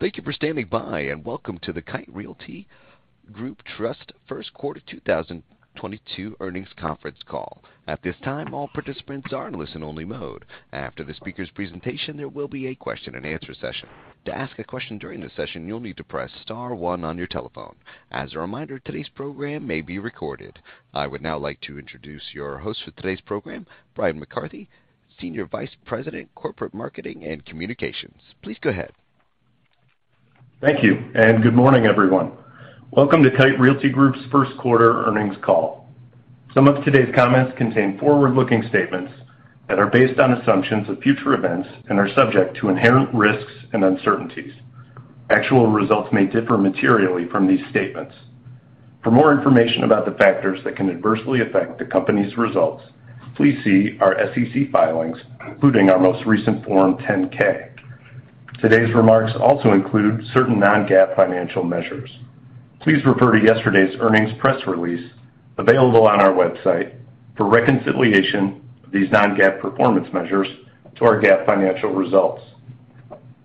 Thank you for standing by, and welcome to the Kite Realty Group Trust Q1 2022 Earnings Conference Call. At this time, all participants are in listen-only mode. After the speaker's presentation, there will be a Q&A session. To ask a question during the session, you'll need to press star one on your telephone. As a reminder, today's program may be recorded. I would now like to introduce your host for today's program, Bryan McCarthy, Senior Vice President, Corporate Marketing and Communications. Please go ahead. Thank you, and good morning, everyone. Welcome to Kite Realty Group's Q1 Earnings Call. Some of today's comments contain forward-looking statements that are based on assumptions of future events and are subject to inherent risks and uncertainties. Actual results may differ materially from these statements. For more information about the factors that can adversely affect the company's results, please see our SEC filings, including our most recent Form 10-K. Today's remarks also include certain non-GAAP financial measures. Please refer to yesterday's Earnings Press Release available on our website for reconciliation of these non-GAAP performance measures to our GAAP Financial Results.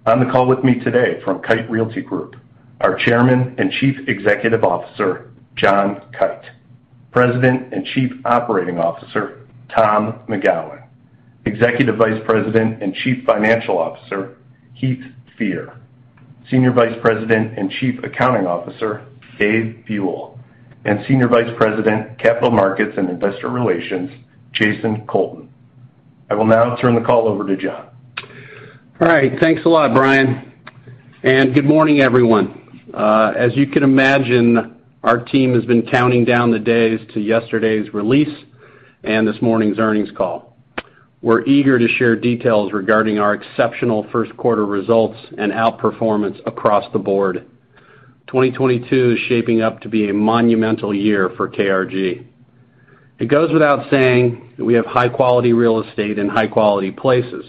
On the call with me today from Kite Realty Group, our Chairman and Chief Executive Officer, John Kite, President and Chief Operating Officer, Tom McGowan, Executive Vice President and Chief Financial Officer, Heath Fear, Senior Vice President and Chief Accounting Officer, Dave Buell, and Senior Vice President, Capital Markets and Investor Relations, Jason Colton. I will now turn the call over to John. All right. Thanks a lot, Bryan. Good morning, everyone. As you can imagine, our team has been counting down the days to yesterday's release and this morning's earnings call. We're eager to share details regarding our exceptional Q1 results and outperformance across the board. 2022 is shaping up to be a monumental year for KRG. It goes without saying that we have high-quality real estate in high-quality places,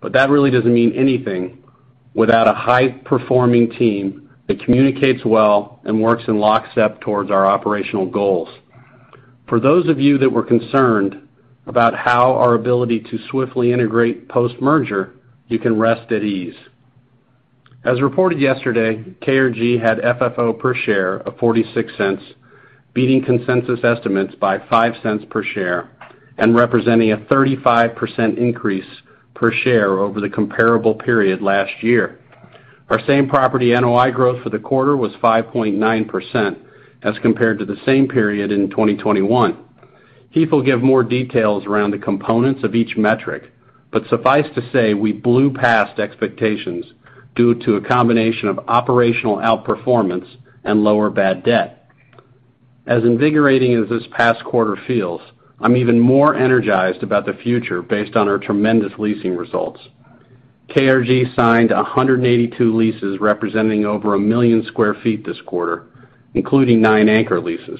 but that really doesn't mean anything without a high-performing team that communicates well and works in lockstep towards our operational goals. For those of you that were concerned about how our ability to swiftly integrate post-merger, you can rest at ease. As reported yesterday, KRG had FFO per share of $0.46, beating consensus estimates by $0.05 per share and representing a 35% increase per share over the comparable period last year. Our same-property NOI growth for the quarter was 5.9% as compared to the same period in 2021. Heath will give more details around the components of each metric, but suffice to say, we blew past expectations due to a combination of operational outperformance and lower bad debt. As invigorating as this past quarter feels, I'm even more energized about the future based on our tremendous leasing results. KRG signed 182 leases representing over one million sq ft this quarter, including nine anchor leases.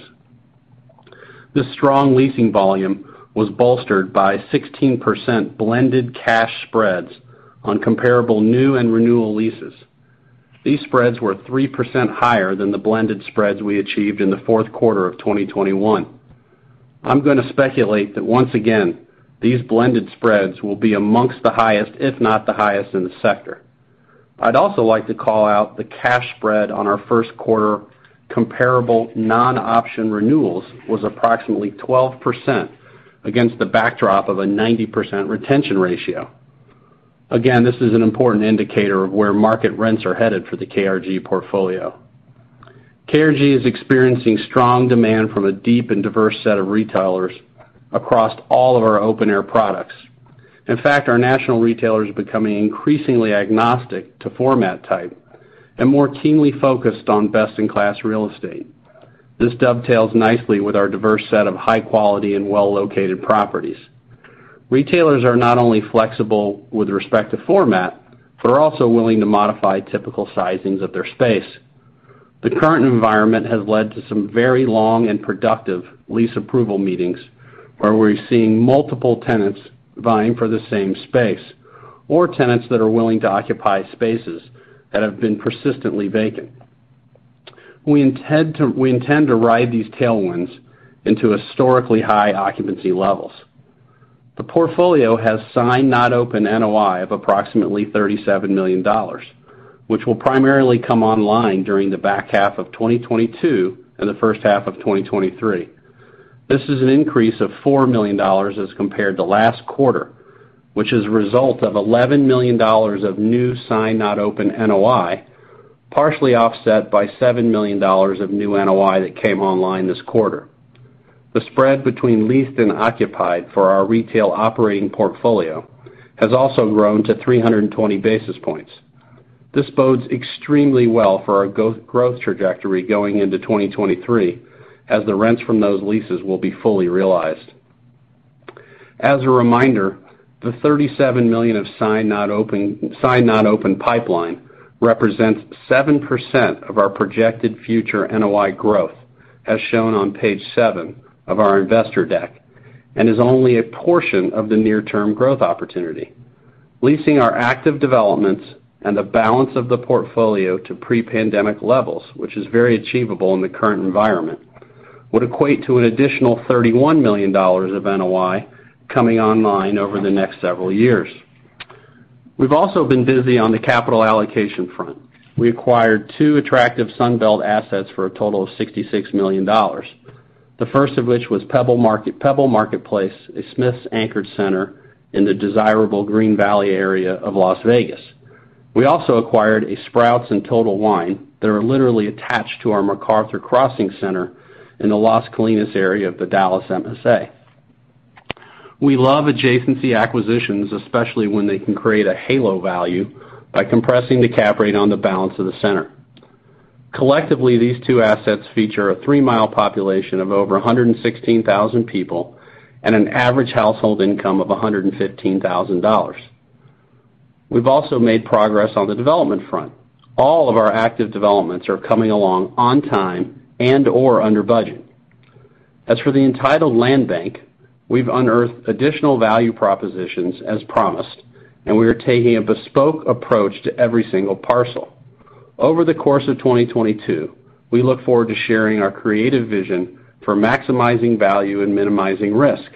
This strong leasing volume was bolstered by 16% blended cash spreads on comparable new and renewal leases. These spreads were 3% higher than the blended spreads we achieved in Q4 2021. I'm gonna speculate that once again, these blended spreads will be amongst the highest, if not the highest in the sector. I'd also like to call out the cash spread on our Q1 comparable non-option renewals was approximately 12% against the backdrop of a 90% retention ratio. Again, this is an important indicator of where market rents are headed for the KRG portfolio. KRG is experiencing strong demand from a deep and diverse set of retailers across all of our open air products. In fact, our national retailers are becoming increasingly agnostic to format type and more keenly focused on best-in-class real estate. This dovetails nicely with our diverse set of high quality and well-located properties. Retailers are not only flexible with respect to format, but are also willing to modify typical sizings of their space. The current environment has led to some very long and productive lease approval meetings, where we're seeing multiple tenants vying for the same space or tenants that are willing to occupy spaces that have been persistently vacant. We intend to ride these tailwinds into historically high occupancy levels. The portfolio has signed-not-open NOI of approximately $37 million, which will primarily come online during the back half of 2022 and H1 2023. This is an increase of $4 million as compared to last quarter, which is a result of $11 million of new signed-not-open NOI, partially offset by $7 million of new NOI that came online this quarter. The spread between leased and occupied for our retail operating portfolio has also grown to 320 basis points. This bodes extremely well for our growth trajectory going into 2023, as the rents from those leases will be fully realized. As a reminder, the $37 million of signed-not-open pipeline represents 7% of our projected future NOI growth, as shown on page seven of our investor deck, and is only a portion of the near-term growth opportunity. Leasing our active developments and the balance of the portfolio to pre-pandemic levels, which is very achievable in the current environment, would equate to an additional $31 million of NOI coming online over the next several years. We've also been busy on the capital allocation front. We acquired two attractive Sun Belt assets for a total of $66 million. The first of which was Pebble Marketplace, a Smith's-anchored center in the desirable Green Valley area of Las Vegas. We also acquired a Sprouts and a Total Wine that are literally attached to our MacArthur Crossing Center in the Las Colinas area of the Dallas MSA. We love adjacency acquisitions, especially when they can create a halo value by compressing the cap rate on the balance of the center. Collectively, these two assets feature a three-mile population of over 116,000 people and an average household income of $115,000. We've also made progress on the development front. All of our active developments are coming along on time and/or under budget. As for the entitled land bank, we've unearthed additional value propositions as promised, and we are taking a bespoke approach to every single parcel. Over the course of 2022, we look forward to sharing our creative vision for maximizing value and minimizing risk.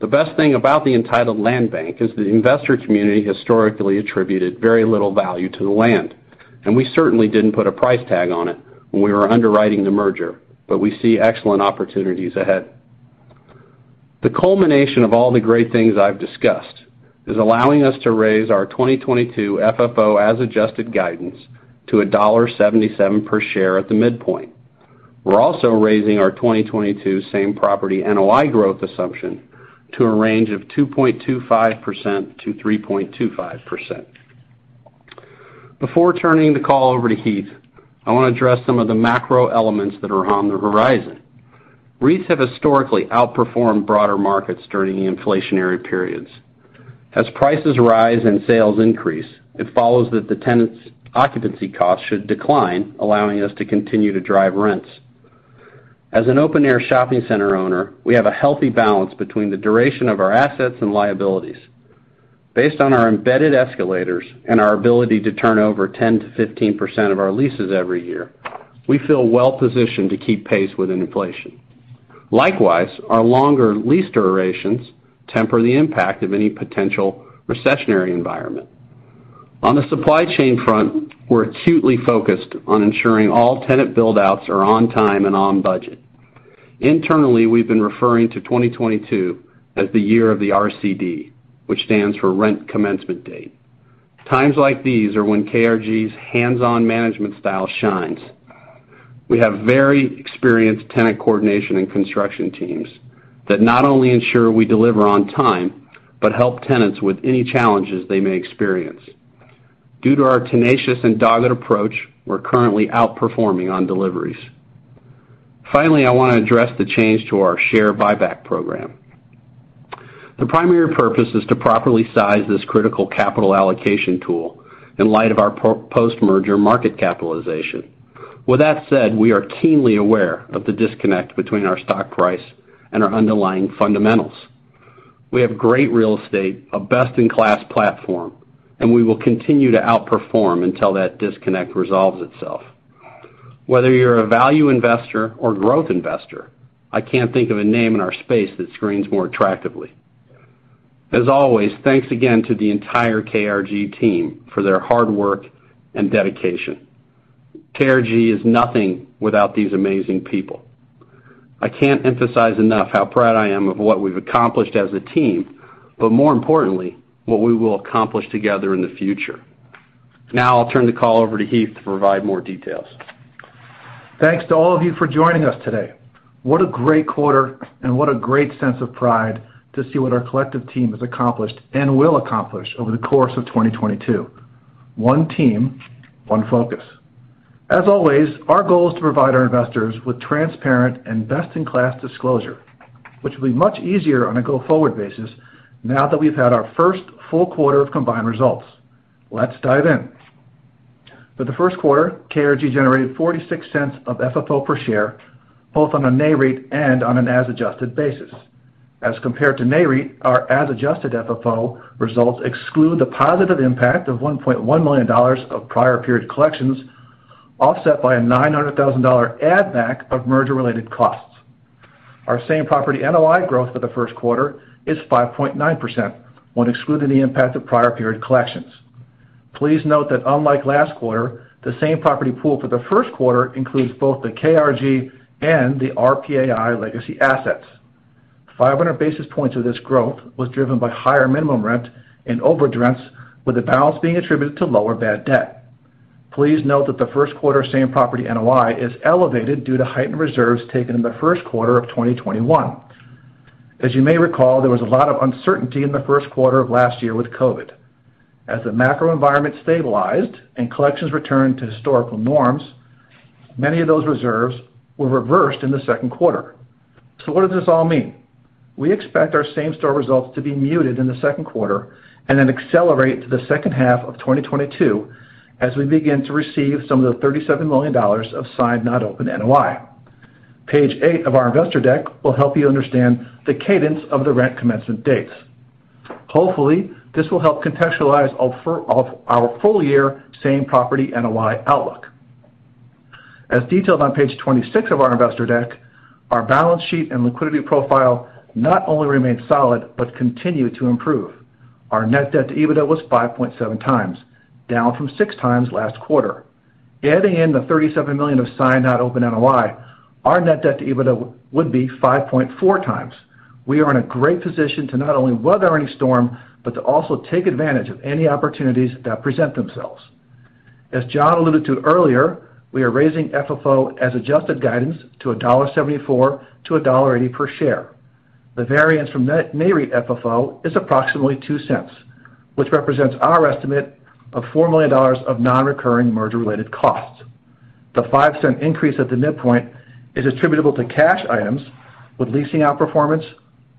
The best thing about the entitled land bank is that the investor community historically attributed very little value to the land, and we certainly didn't put a price tag on it when we were underwriting the merger, but we see excellent opportunities ahead. The culmination of all the great things I've discussed is allowing us to raise our 2022 FFO-as-adjusted guidance to $1.77 per share at the midpoint. We're also raising our 2022 same-property NOI growth assumption to a range of 2.25%-3.25%. Before turning the call over to Heath, I wanna address some of the macro elements that are on the horizon. REITs have historically outperformed broader markets during inflationary periods. As prices rise and sales increase, it follows that the tenant's occupancy costs should decline, allowing us to continue to drive rents. As an open-air shopping center owner, we have a healthy balance between the duration of our assets and liabilities. Based on our embedded escalators and our ability to turn over 10%-15% of our leases every year, we feel well-positioned to keep pace with inflation. Likewise, our longer lease durations temper the impact of any potential recessionary environment. On the supply chain front, we're acutely focused on ensuring all tenant build-outs are on time and on budget. Internally, we've been referring to 2022 as the year of the RCD, which stands for rent commencement date. Times like these are when KRG's hands-on management style shines. We have very experienced tenant coordination and construction teams that not only ensure we deliver on time, but help tenants with any challenges they may experience. Due to our tenacious and dogged approach, we're currently outperforming on deliveries. Finally, I wanna address the change to our share buyback program. The primary purpose is to properly size this critical capital allocation tool in light of our post-merger market capitalization. With that said, we are keenly aware of the disconnect between our stock price and our underlying fundamentals. We have great real estate, a best-in-class platform, and we will continue to outperform until that disconnect resolves itself. Whether you're a value investor or growth investor, I can't think of a name in our space that screens more attractively. As always, thanks again to the entire KRG team for their hard work and dedication. KRG is nothing without these amazing people. I can't emphasize enough how proud I am of what we've accomplished as a team, but more importantly, what we will accomplish together in the future. Now I'll turn the call over to Heath to provide more details. Thanks to all of you for joining us today. What a great quarter, and what a great sense of pride to see what our collective team has accomplished and will accomplish over the course of 2022. One team, one focus. As always, our goal is to provide our investors with transparent and best-in-class disclosure, which will be much easier on a go-forward basis now that we've had our first full quarter of combined results. Let's dive in. For Q1, KRG generated $0.46 of FFO per share, both on a NAREIT and on an as adjusted basis. As compared to NAREIT, our as adjusted FFO results exclude the positive impact of $1.1 million of prior period collections, offset by a $900 thousand add back of merger-related costs. Our same-property NOI growth for Q1 is 5.9% when excluding the impact of prior period collections. Please note that unlike last quarter, the same property pool for Q1 includes both the KRG and the RPAI legacy assets. 500 basis points of this growth was driven by higher minimum rent and over rents, with the balance being attributed to lower bad debt. Please note that Q1 same-property NOI is elevated due to heightened reserves taken in Q1 2021. As you may recall, there was a lot of uncertainty in Q1 2021 with Covid. As the macro environment stabilized and collections returned to historical norms, many of those reserves were reversed in Q2. What does this all mean? We expect our same store results to be muted in Q2 and then accelerate to H2 2022 as we begin to receive some of the $37 million of signed, not opened NOI. Page eight of our investor deck will help you understand the cadence of the rent commencement dates. Hopefully, this will help contextualize our full-year same-property NOI outlook. As detailed on page 26 of our investor deck, our balance sheet and liquidity profile not only remained solid but continue to improve. Our net debt to EBITDA was 5.7 times, down from six times last quarter. Adding in the $37 million of signed, not open NOI, our net debt to EBITDA would be 5.4 times. We are in a great position to not only weather any storm, but to also take advantage of any opportunities that present themselves. As John alluded to earlier, we are raising FFO as adjusted guidance to $1.74-$1.80 per share. The variance from net NAREIT FFO is approximately $0.02, which represents our estimate of $4 million of non-recurring merger-related costs. The $0.05 increase at the midpoint is attributable to cash items with leasing outperformance,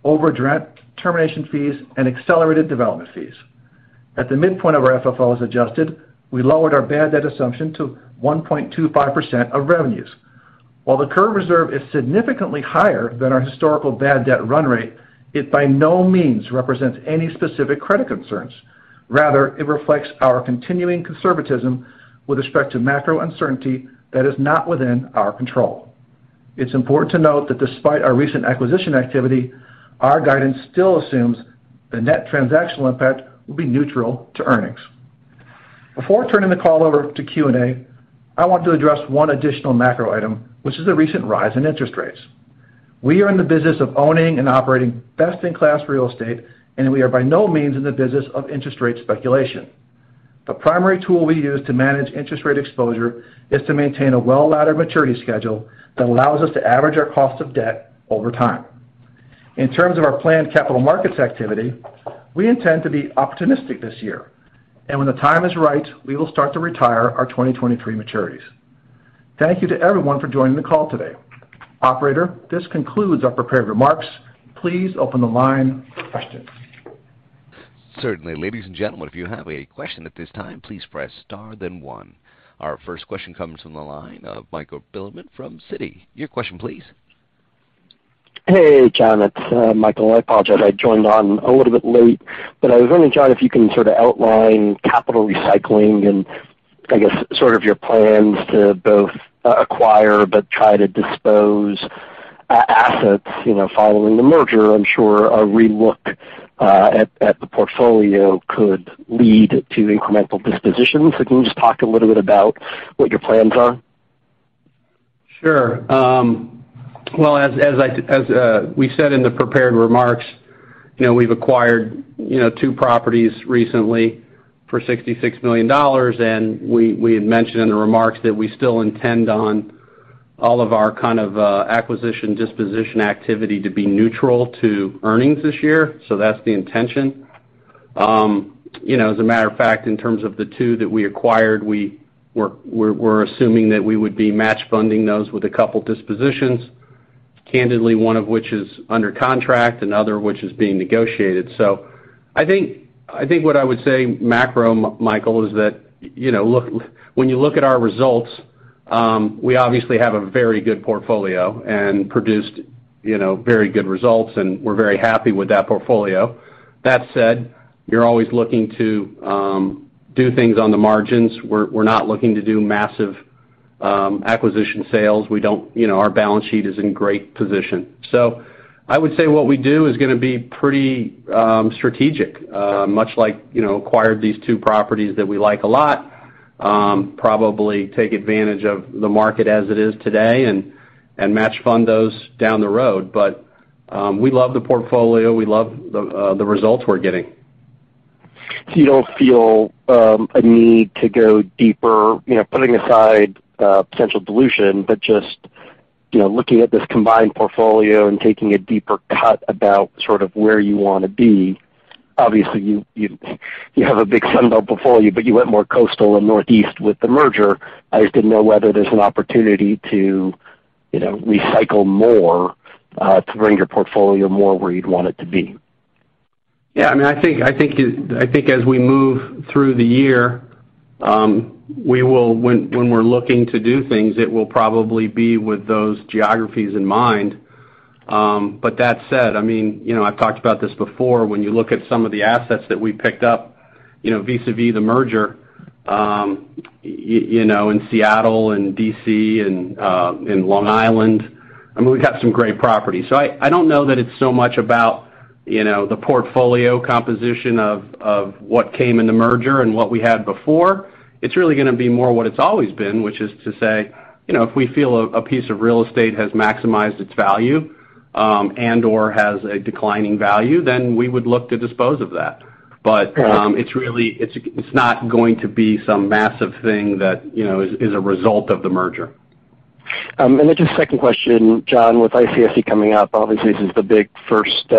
overdrawn termination fees, and accelerated development fees. At the midpoint of our FFO as adjusted, we lowered our bad debt assumption to 1.25% of revenues. While the current reserve is significantly higher than our historical bad debt run rate, it by no means represents any specific credit concerns. Rather, it reflects our continuing conservatism with respect to macro uncertainty that is not within our control. It's important to note that despite our recent acquisition activity, our guidance still assumes the net transactional impact will be neutral to earnings. Before turning the call over to Q&A, I want to address one additional macro item, which is the recent rise in interest rates. We are in the business of owning and operating best-in-class real estate, and we are by no means in the business of interest rate speculation. The primary tool we use to manage interest rate exposure is to maintain a well-laddered maturity schedule that allows us to average our cost of debt over time. In terms of our planned capital markets activity, we intend to be optimistic this year. When the time is right, we will start to retire our 2023 maturities. Thank you to everyone for joining the call today. Operator, this concludes our prepared remarks. Please open the line for questions. Certainly. Ladies and gentlemen, if you have a question at this time, please press star then one. Our first question comes from the line of Michael Bilerman from Citi. Your question please. Hey, John, it's Michael. I apologize. I joined a little bit late. I was wondering, John, if you can sort of outline capital recycling and I guess sort of your plans to both acquire but try to dispose of assets, you know, following the merger. I'm sure a relook at the portfolio could lead to incremental dispositions. Can you just talk a little bit about what your plans are? Sure. Well, as we said in the prepared remarks, you know, we've acquired, you know, two properties recently for $66 million, and we had mentioned in the remarks that we still intend on all of our kind of acquisition disposition activity to be neutral to earnings this year. That's the intention. You know, as a matter of fact, in terms of the two that we acquired, we're assuming that we would be matching funding those with a couple of dispositions. Candidly, one of which is under contract, and another which is being negotiated. I think what I would say, macro, Michael, is that, you know, look, when you look at our results, we obviously have a very good portfolio and produced, you know, very good results, and we're very happy with that portfolio. That said, you're always looking to do things on the margins. We're not looking to do massive acquisition sales. You know, our balance sheet is in a great position. I would say what we do is gonna be pretty strategic, much like, you know, acquired these two properties that we like a lot, probably take advantage of the market as it is today, and match fund those down the road. We love the portfolio. We love the results we're getting. You don't feel a need to go deeper, you know, putting aside potential dilution, but just, you know, looking at this combined portfolio and taking a deeper cut about sort of where you wanna be. Obviously, you have a big Sunbelt portfolio, but you went more coastal and Northeast with the merger. I just didn't know whether there's an opportunity to, you know, recycle more to bring your portfolio more where you'd want it to be. I mean, I think as we move through the year, when we're looking to do things, it will probably be with those geographies in mind. That said, I mean, you know, I've talked about this before. When you look at some of the assets that we picked up, you know, vis-à-vis the merger, you know, in Seattle and D.C. and in Long Island, I mean, we got some great properties. I don't know that it's so much about, you know, the portfolio composition of what came in the merger and what we had before. It's really gonna be more what it's always been, which is to say, you know, if we feel a piece of real estate has maximized its value, and/or has a declining value, then we would look to dispose of that. Right. It's really not going to be some massive thing that, you know, is a result of the merger. Just second question, John. With ICSC coming up, obviously, this is the big first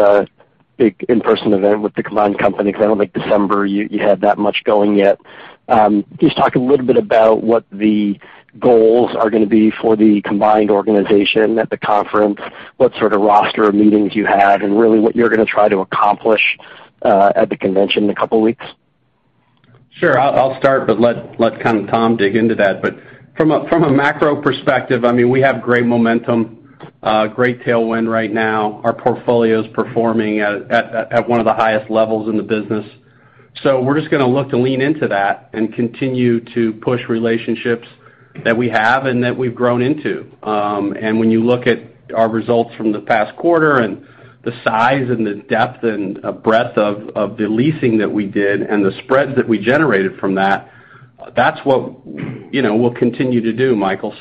big in-person event with the combined company 'cause I don't think December you had that much going yet. Can you just talk a little bit about what the goals are gonna be for the combined organization at the conference, what sort of roster of meetings you have, and really what you're gonna try to accomplish at the convention in a couple weeks? Sure. I'll start, but let kind of Tom dig into that. From a macro perspective, I mean, we have great momentum, great tailwind right now. Our portfolio is performing at one of the highest levels in the business. We're just gonna look to lean into that and continue to push relationships that we have and that we've grown into. When you look at our results from the past quarter and the size and the depth and breadth of the leasing that we did and the spread that we generated from that's what, you know, we'll continue to do, Michael.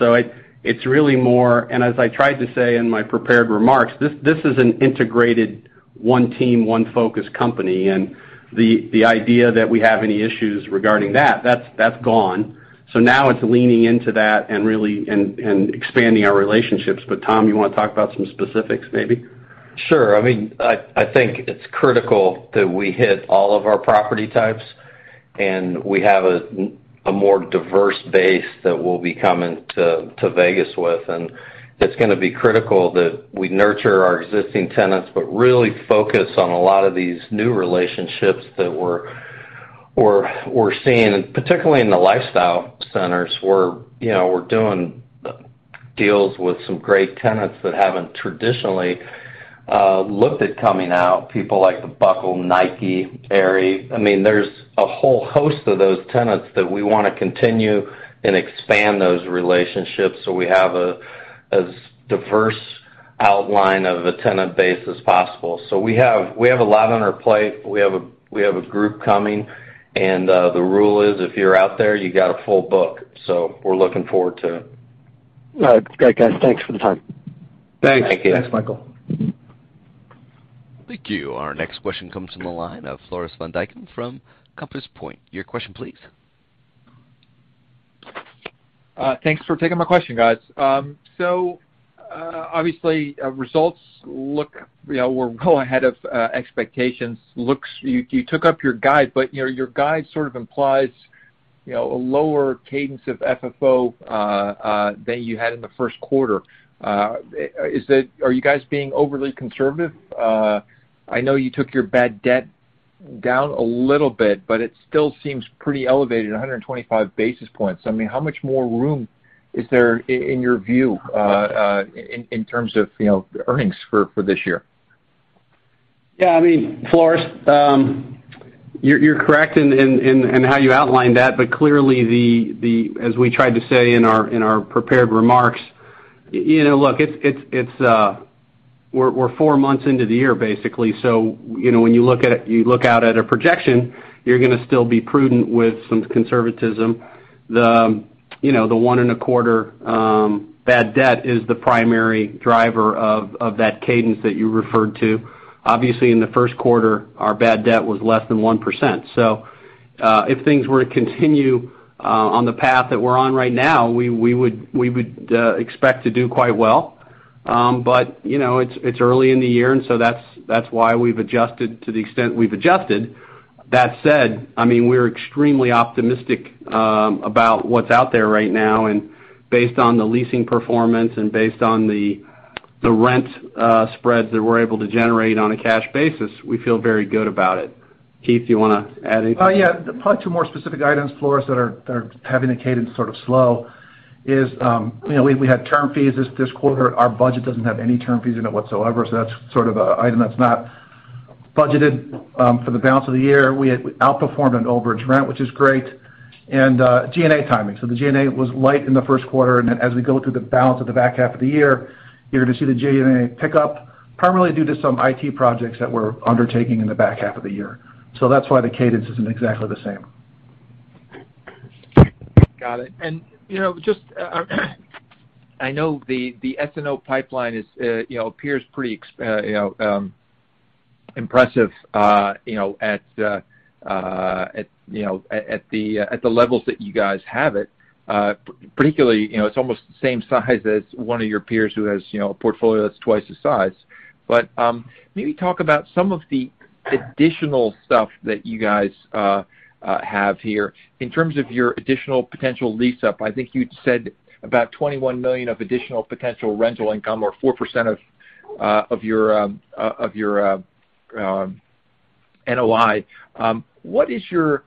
It's really more. As I tried to say in my prepared remarks, this is an integrated one team, one focus company, and the idea that we have any issues regarding that's gone. So now it's leaning into that and expanding our relationships. Tom, you wanna talk about some specifics maybe? Sure. I mean, I think it's critical that we hit all of our property types, and we have a more diverse base that we'll be coming to Vegas with. It's gonna be critical that we nurture our existing tenants, but really focus on a lot of these new relationships that we're seeing, particularly in the lifestyle centers. You know, we're doing deals with some great tenants that haven't traditionally looked at coming out, people like The Buckle, Nike, Aerie. I mean, there's a whole host of those tenants that we wanna continue and expand those relationships, so we have as diverse outline of the tenant base as possible. We have a lot on our plate. We have a group coming, and the rule is, if you're out there, you got a full book. We're looking forward to it. All right. Great, guys. Thanks for the time. Thanks. Thank you. Thanks, Michael. Thank you. Our next question comes from the line of Floris van Dijkum from Compass Point. Your question please. Thanks for taking my question, guys. Obviously, results look, you know, we're well ahead of expectations. You took up your guide, but, you know, your guide sort of implies, you know, a lower cadence of FFO than you had in Q1. Are you guys being overly conservative? I know you took your bad debt down a little bit, but it still seems pretty elevated, 125 basis points. I mean, how much more room is there in your view, in terms of, you know, earnings for this year? Yeah, I mean, Floris, you're correct in how you outlined that, but clearly as we tried to say in our prepared remarks, you know, look, it's we're 4 months into the year, basically. You know, when you look out at a projection, you're gonna still be prudent with some conservatism. You know, the 1.25% bad debt is the primary driver of that cadence that you referred to. Obviously, in Q1, our bad debt was less than 1%. If things were to continue on the path that we're on right now, we would expect to do quite well. You know, it's early in the year, and that's why we've adjusted to the extent we've adjusted. That said, I mean, we're extremely optimistic about what's out there right now. Based on the leasing performance and based on the rent spread that we're able to generate on a cash basis, we feel very good about it. Heath, do you wanna add anything? Yeah. Probably two more specific items, Floris, that are having a cadence sort of slow is, you know, we had term fees this quarter. Our budget doesn't have any term fees in it whatsoever, so that's sort of an item that's not budgeted for the balance of the year. We outperformed on overage rent, which is great. G&A timing. The G&A was light in Q1, and then as we go through the balance of the back half of the year, you're gonna see the G&A pick up, primarily due to some IT projects that we're undertaking in the back half of the year. That's why the cadence isn't exactly the same. Got it. You know, just, I know the SNO pipeline is, you know, appears pretty impressive, you know, at the levels that you guys have it, particularly, you know, it's almost the same size as one of your peers who has, you know, a portfolio that's twice the size. Maybe talk about some of the additional stuff that you guys have here in terms of your additional potential lease-up. I think you'd said about $21 million of additional potential rental income or 4% of your NOI. What do you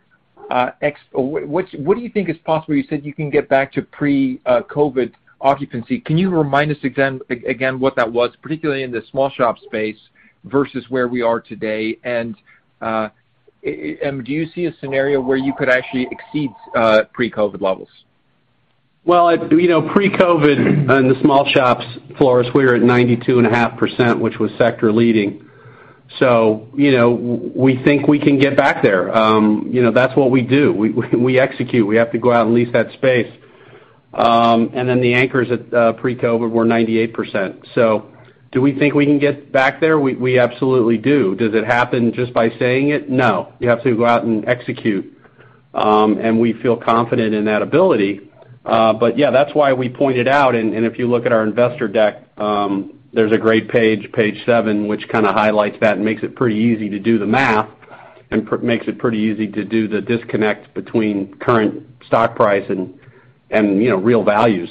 think is possible? You said you can get back to pre-COVID occupancy. Can you remind us again, what that was, particularly in the small shop space versus where we are today? Do you see a scenario where you could actually exceed pre-COVID levels? Well, you know, pre-COVID in the small shops, Floris, we were at 92.5%, which was sector leading. You know, we think we can get back there. You know, that's what we do. We execute. We have to go out and lease that space. Then the anchors at pre-COVID were 98%. Do we think we can get back there? We absolutely do. Does it happen just by saying it? No. You have to go out and execute. We feel confident in that ability. Yeah, that's why we pointed out, and if you look at our investor deck, there's a great page 7, which kind of highlights that and makes it pretty easy to do the math and the disconnect between current stock price and, you know, real values.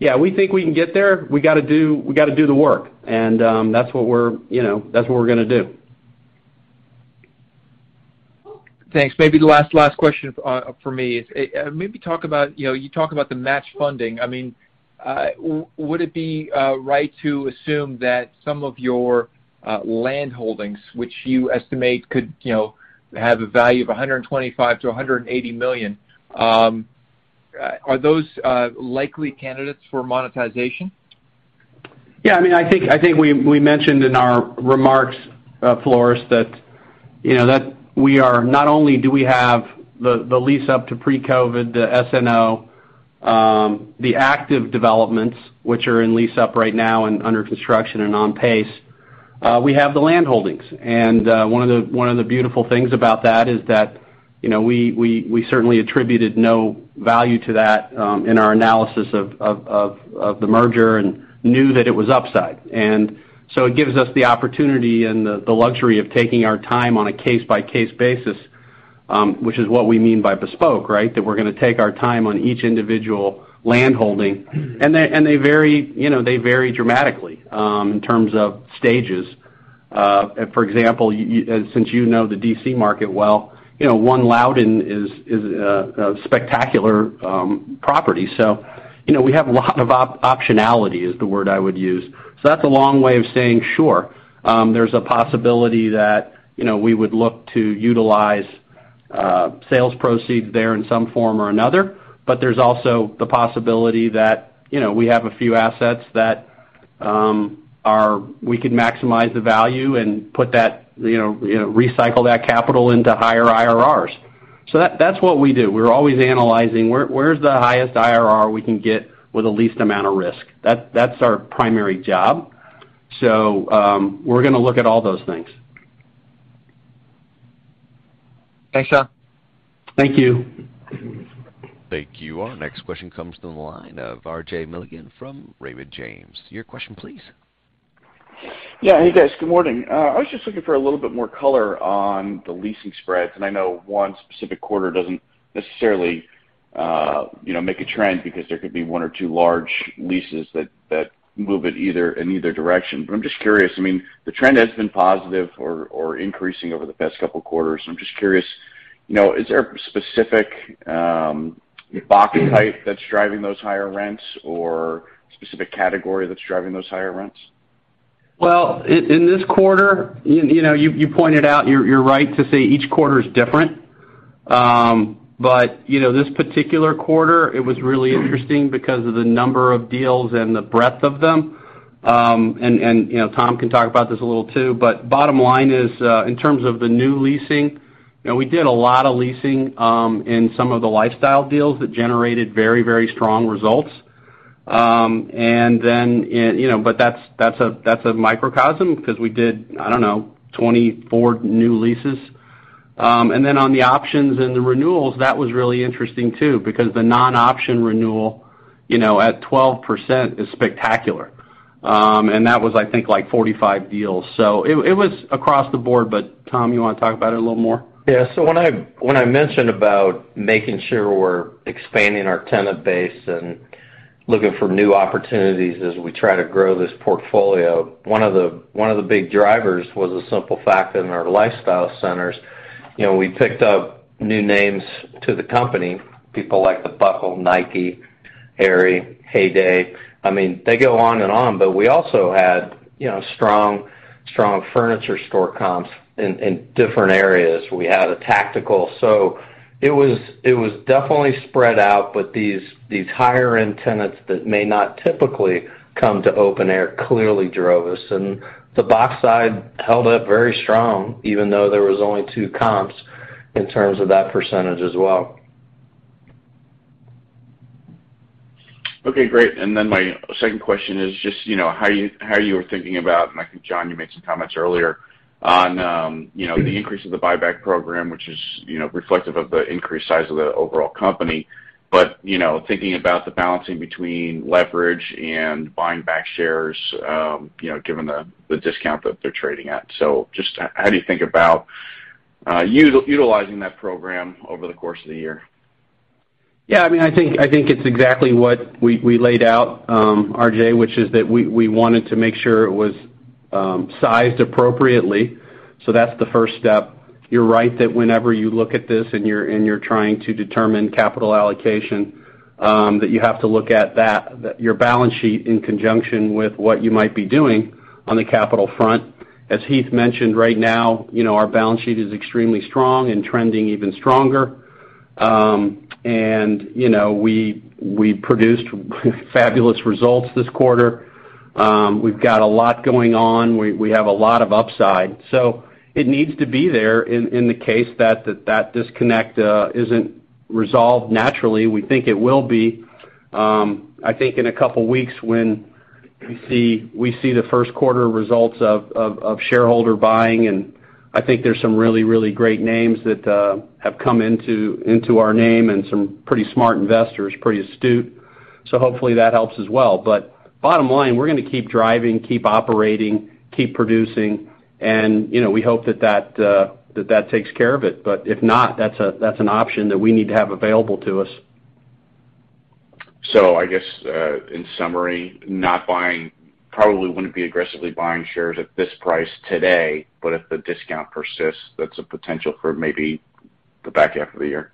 Yeah, we think we can get there. We gotta do the work, and that's what we're gonna do, you know. Thanks. Maybe the last question for me is to talk about, you know, you talk about the match funding. I mean, would it be right to assume that some of your land holdings, which you estimate could, you know, have a value of $125 million-$180 million, are those likely candidates for monetization? Yeah, I mean, I think we mentioned in our remarks, Floris, that you know that we not only have the lease up to pre-COVID, the SNO, the active developments, which are in lease up right now and under construction and on pace, we have the land holdings. One of the beautiful things about that is that you know we certainly attributed no value to that in our analysis of the merger and knew that it was upside. It gives us the opportunity and the luxury of taking our time on a case-by-case basis, which is what we mean by bespoke, right? That we're gonna take our time on each individual land holding. They vary, you know, dramatically in terms of stages. For example, since you know the D.C. market well, you know that One Loudoun is a spectacular property. You know, we have a lot of optionality, is the word I would use. That's a long way of saying, sure, there's a possibility that, you know, we would look to utilize sales proceeds there in some form or another. There's also the possibility that, you know, we have a few assets that we could maximize the value and put that, recycle that capital into higher IRRs. That's what we do. We're always analyzing where the highest IRR we can get is with the least amount of risk. That's our primary job. We're gonna look at all those things. Thanks, John. Thank you. Thank you. Our next question comes from the line of RJ Milligan from Raymond James. Your question, please. Yeah. Hey, guys. Good morning. I was just looking for a little bit more color on the leasing spreads. I know one specific quarter doesn't necessarily make a trend because there could be one or two large leases that move it either in either direction. I'm just curious. I mean, the trend has been positive or increasing over the past couple quarters. I'm just curious, you know, is there a specific box type that's driving those higher rents or specific category that's driving those higher rents? Well, in this quarter, you know, you pointed out, you're right to say each quarter is different. You know, this particular quarter, it was really interesting because of the number of deals and the breadth of them. You know, Tom can talk about this a little too, but bottom line is, in terms of the new leasing, you know, we did a lot of leasing in some of the lifestyle deals that generated very, very strong results. But that's a microcosm because we did, I don't know, 24 new leases. Then on the options and the renewals, that was really interesting too, because the non-option renewal, you know, at 12% is spectacular. That was I think like 45 deals. It was across the board, but Tom, you wanna talk about it a little more? Yeah. When I mentioned about making sure we're expanding our tenant base and looking for new opportunities as we try to grow this portfolio, one of the big drivers was the simple fact that in our lifestyle centers, you know, we picked up new names to the company, people like The Buckle, Nike, Aerie, Heyday. I mean, they go on and on. But we also had, you know, strong furniture store comps in different areas. We had 5.11 Tactical. So it was definitely spread out. But these higher-end tenants that may not typically come to open air clearly drove us. And the box side held up very strong, even though there was only two comps in terms of that percentage as well. Okay, great. My second question is just, you know, how you were thinking about, and I think, John, you made some comments earlier, on, you know, the increase of the buyback program, which is, you know, reflective of the increased size of the overall company. But, you know, thinking about the balancing between leverage and buying back shares, you know, given the discount that they're trading at. Just how do you think about utilizing that program over the course of the year? Yeah, I mean, I think it's exactly what we laid out, RJ, which is that we wanted to make sure it was sized appropriately. That's the first step. You're right that whenever you look at this and you're trying to determine capital allocation, that you have to look at your balance sheet in conjunction with what you might be doing on the capital front. As Heath mentioned, right now, you know, our balance sheet is extremely strong and trending even stronger. You know, we produced fabulous results this quarter. We've got a lot going on. We have a lot of upside. It needs to be there in the case that disconnect isn't resolved naturally. We think it will be. I think in a couple weeks when we see Q1 results of shareholder buying. I think there's some really great names that have come into our name and some pretty smart investors, pretty astute. Hopefully, that helps as well. Bottom line, we're gonna keep driving, keep operating, keep producing, and you know, we hope that that takes care of it. If not, that's an option that we need to have available to us. I guess, in summary, probably wouldn't be aggressively buying shares at this price today, but if the discount persists, that's a potential for maybe the back half of the year.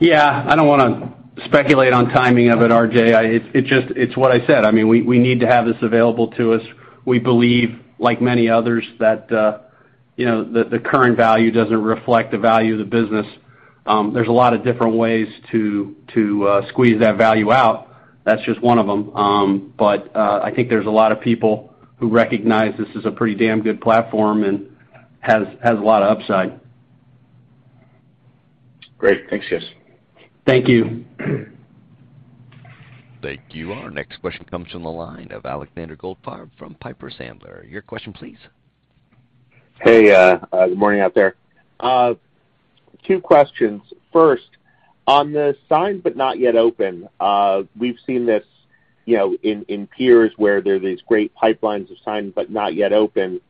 Yeah. I don't wanna speculate on timing of it, RJ. It's what I said. I mean, we need to have this available to us. We believe, like many others, that you know, the current value doesn't reflect the value of the business. There's a lot of different ways to squeeze that value out. That's just one of them. I think there's a lot of people who recognize this is a pretty damn good platform and has a lot of upside. Great. Thanks, guys. Thank you. Thank you. Our next question comes from the line of Alexander Goldfarb from Piper Sandler. Your question, please. Hey. Good morning out there. Two questions. First, on the signed but not yet open, we've seen this, you know, in peers where there are these great pipelines of signed but not yet open.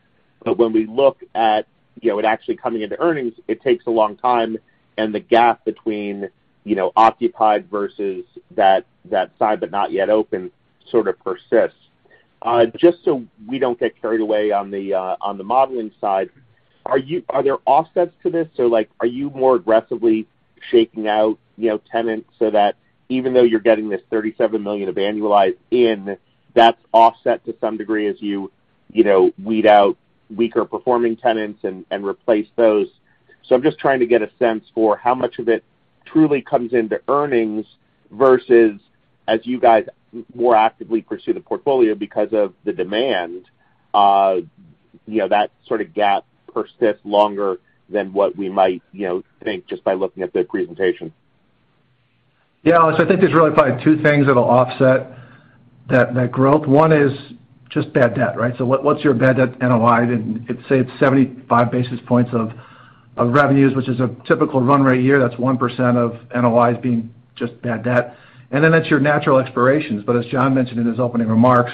When we look at, you know, it actually coming into earnings, it takes a long time, and the gap between, you know, occupied versus that signed but not yet open sort of persists. Just so we don't get carried away on the modeling side, are there offsets to this? So, like, are you more aggressively shaking out, you know, tenants so that even though you're getting this $37 million of annualized in, that's offset to some degree as you know, weed out weaker performing tenants and replace those? I'm just trying to get a sense for how much of it truly comes into earnings versus as you guys more actively pursue the portfolio because of the demand, you know, that sort of gap persists longer than what we might, you know, think just by looking at the presentation. Yeah, Alex, I think there's really probably two things that'll offset that growth. One is just bad debt, right? So what's your bad debt NOI? Say, it's 75 basis points of revenues, which is a typical run rate year. That's 1% of NOIs being just bad debt. That's your natural expirations. As John mentioned in his opening remarks,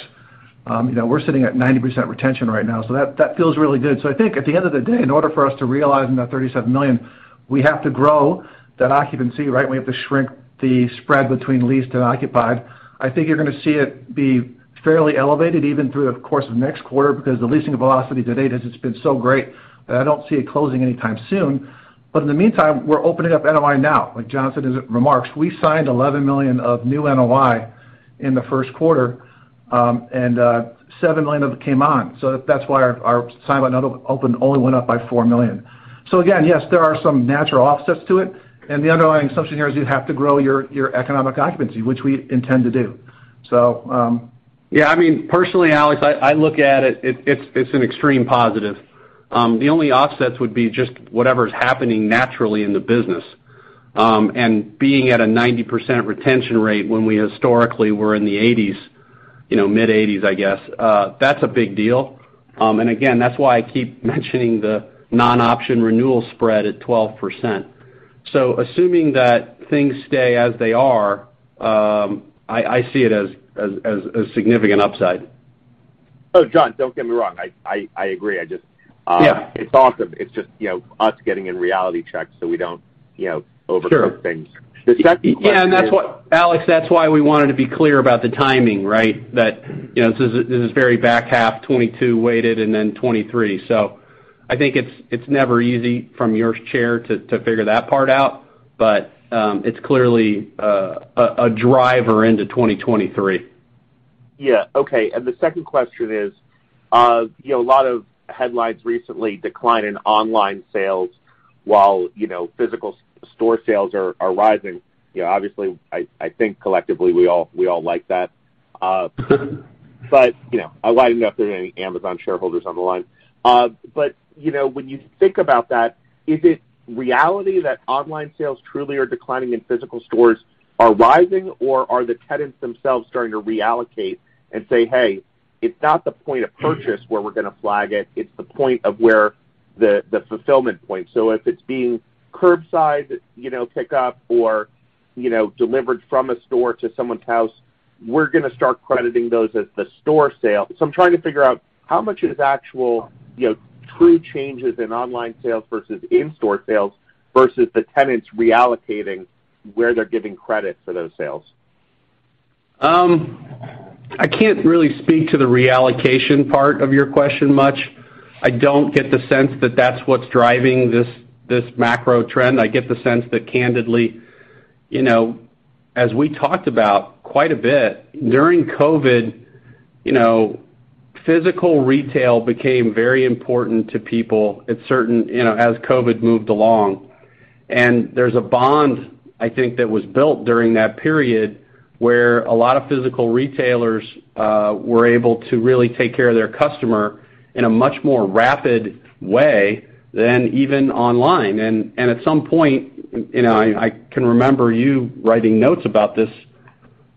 you know, we're sitting at 90% retention right now, so that feels really good. I think at the end of the day, in order for us to realize in that $37 million, we have to grow that occupancy, right? We have to shrink the spread between leased and occupied. I think you're gonna see it be fairly elevated even through the course of next quarter because the leasing velocity to date has just been so great that I don't see it closing anytime soon. In the meantime, we're opening up NOI now. Like John said in his remarks, we signed $11 million of new NOI in Q1, and $7 million of it came on. That's why our signed but not opened only went up by $4 million. Again, yes, there are some natural offsets to it, and the underlying assumption here is you have to grow your economic occupancy, which we intend to do. Yeah, I mean, personally, Alex, I look at it's an extreme positive. The only offsets would be just whatever's happening naturally in the business. Being at a 90% retention rate when we historically were in the 80s, you know, mid-80s, I guess, that's a big deal. Again, that's why I keep mentioning the non-option renewal spread at 12%. Assuming that things stay as they are, I see it as significant upside. Oh, John, don't get me wrong. I agree. I just Yeah. It's awesome. It's just, you know, us getting in reality checks so we don't, you know. Sure Overcook things. The second question is Yeah, that's what, Alex, that's why we wanted to be clear about the timing, right? That, you know, this is very back-half 2022 weighted and then 2023. I think it's never easy from your chair to figure that part out, but it's clearly a driver into 2023. Yeah. Okay. The second question is, you know, a lot of headlines recently decline in online sales while, you know, physical store sales are rising. You know, obviously, I think collectively, we all like that. But, you know, I don't know if there are any Amazon shareholders on the line. But, you know, when you think about that, is it reality that online sales truly are declining and physical stores are rising, or are the tenants themselves starting to reallocate and say, "Hey, it's not the point of purchase where we're gonna flag it's the point of where the fulfillment point? If it's being curbside, you know, pick up or, you know, delivered from a store to someone's house, we're gonna start crediting those as the store sale. I'm trying to figure out how much is actual, you know, true changes in online sales versus in-store sales versus the tenants reallocating where they're giving credit for those sales. I can't really speak to the reallocation part of your question much. I don't get the sense that that's what's driving this macro trend. I get the sense that candidly, you know, as we talked about quite a bit during COVID, you know, physical retail became very important to people at certain, you know, as COVID moved along. And there's a bond, I think, that was built during that period, where a lot of physical retailers were able to really take care of their customer in a much more rapid way than even online. And at some point, you know, I can remember you writing notes about this,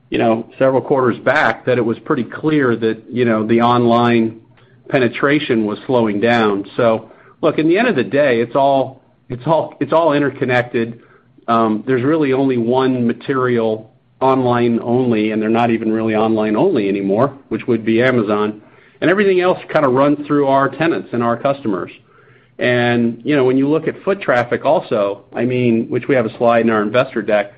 you know, several quarters back, that it was pretty clear that, you know, the online penetration was slowing down. Look, in the end of the day, it's all interconnected. There's really only one material online only, and they're not even really online only anymore, which would be Amazon. Everything else kind of runs through our tenants and our customers. You know, when you look at foot traffic also, I mean, which we have a slide in our investor deck,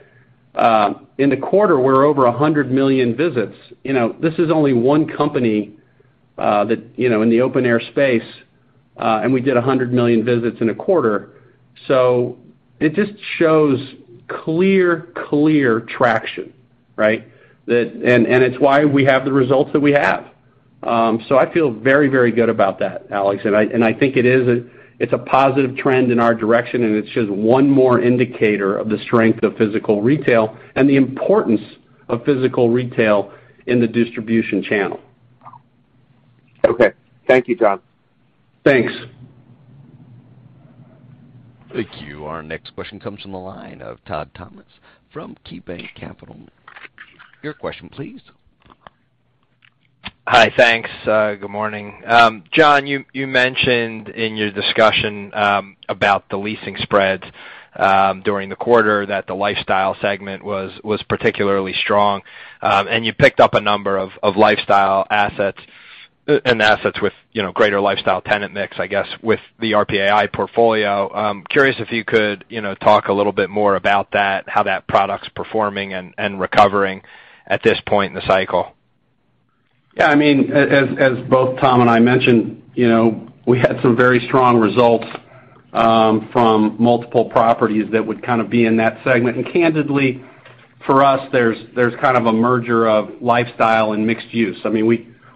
in the quarter, we're over 100 million visits. You know, this is only one company, that, you know, in the open-air space, and we did 100 million visits in a quarter. It just shows clear traction, right? It's why we have the results that we have. So I feel very, very good about that, Alex. I think it's a positive trend in our direction, and it's just one more indicator of the strength of physical retail and the importance of physical retail in the distribution channel. Okay. Thank you, John. Thanks. Thank you. Our next question comes from the line of Todd Thomas from KeyBanc Capital Markets. Your question, please. Hi. Thanks. Good morning. John, you mentioned in your discussion about the leasing spreads during the quarter that the lifestyle segment was particularly strong. You picked up a number of lifestyle assets and assets with, you know, greater lifestyle tenant mix, I guess, with the RPAI portfolio. Curious if you could, you know, talk a little bit more about that, how that product's performing and recovering at this point in the cycle? Yeah. I mean, as both Tom and I mentioned, you know, we had some very strong results from multiple properties that would kind of be in that segment. Candidly, for us, there's kind of a merger of lifestyle and mixed use. I mean,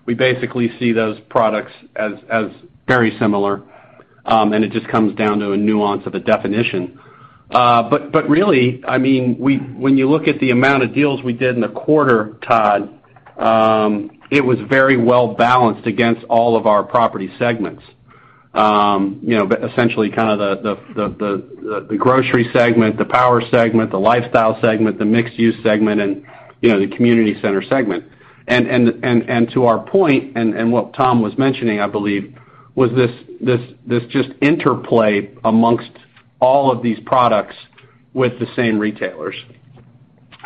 we basically see those products as very similar, and it just comes down to a nuance of a definition. But really, I mean, when you look at the amount of deals we did in the quarter, Todd, it was very well balanced against all of our property segments. You know, essentially kind of the grocery segment, the power segment, the lifestyle segment, the mixed use segment and you know, the community center segment. To our point and what Tom was mentioning, I believe, was this just interplay amongst all of these products with the same retailers.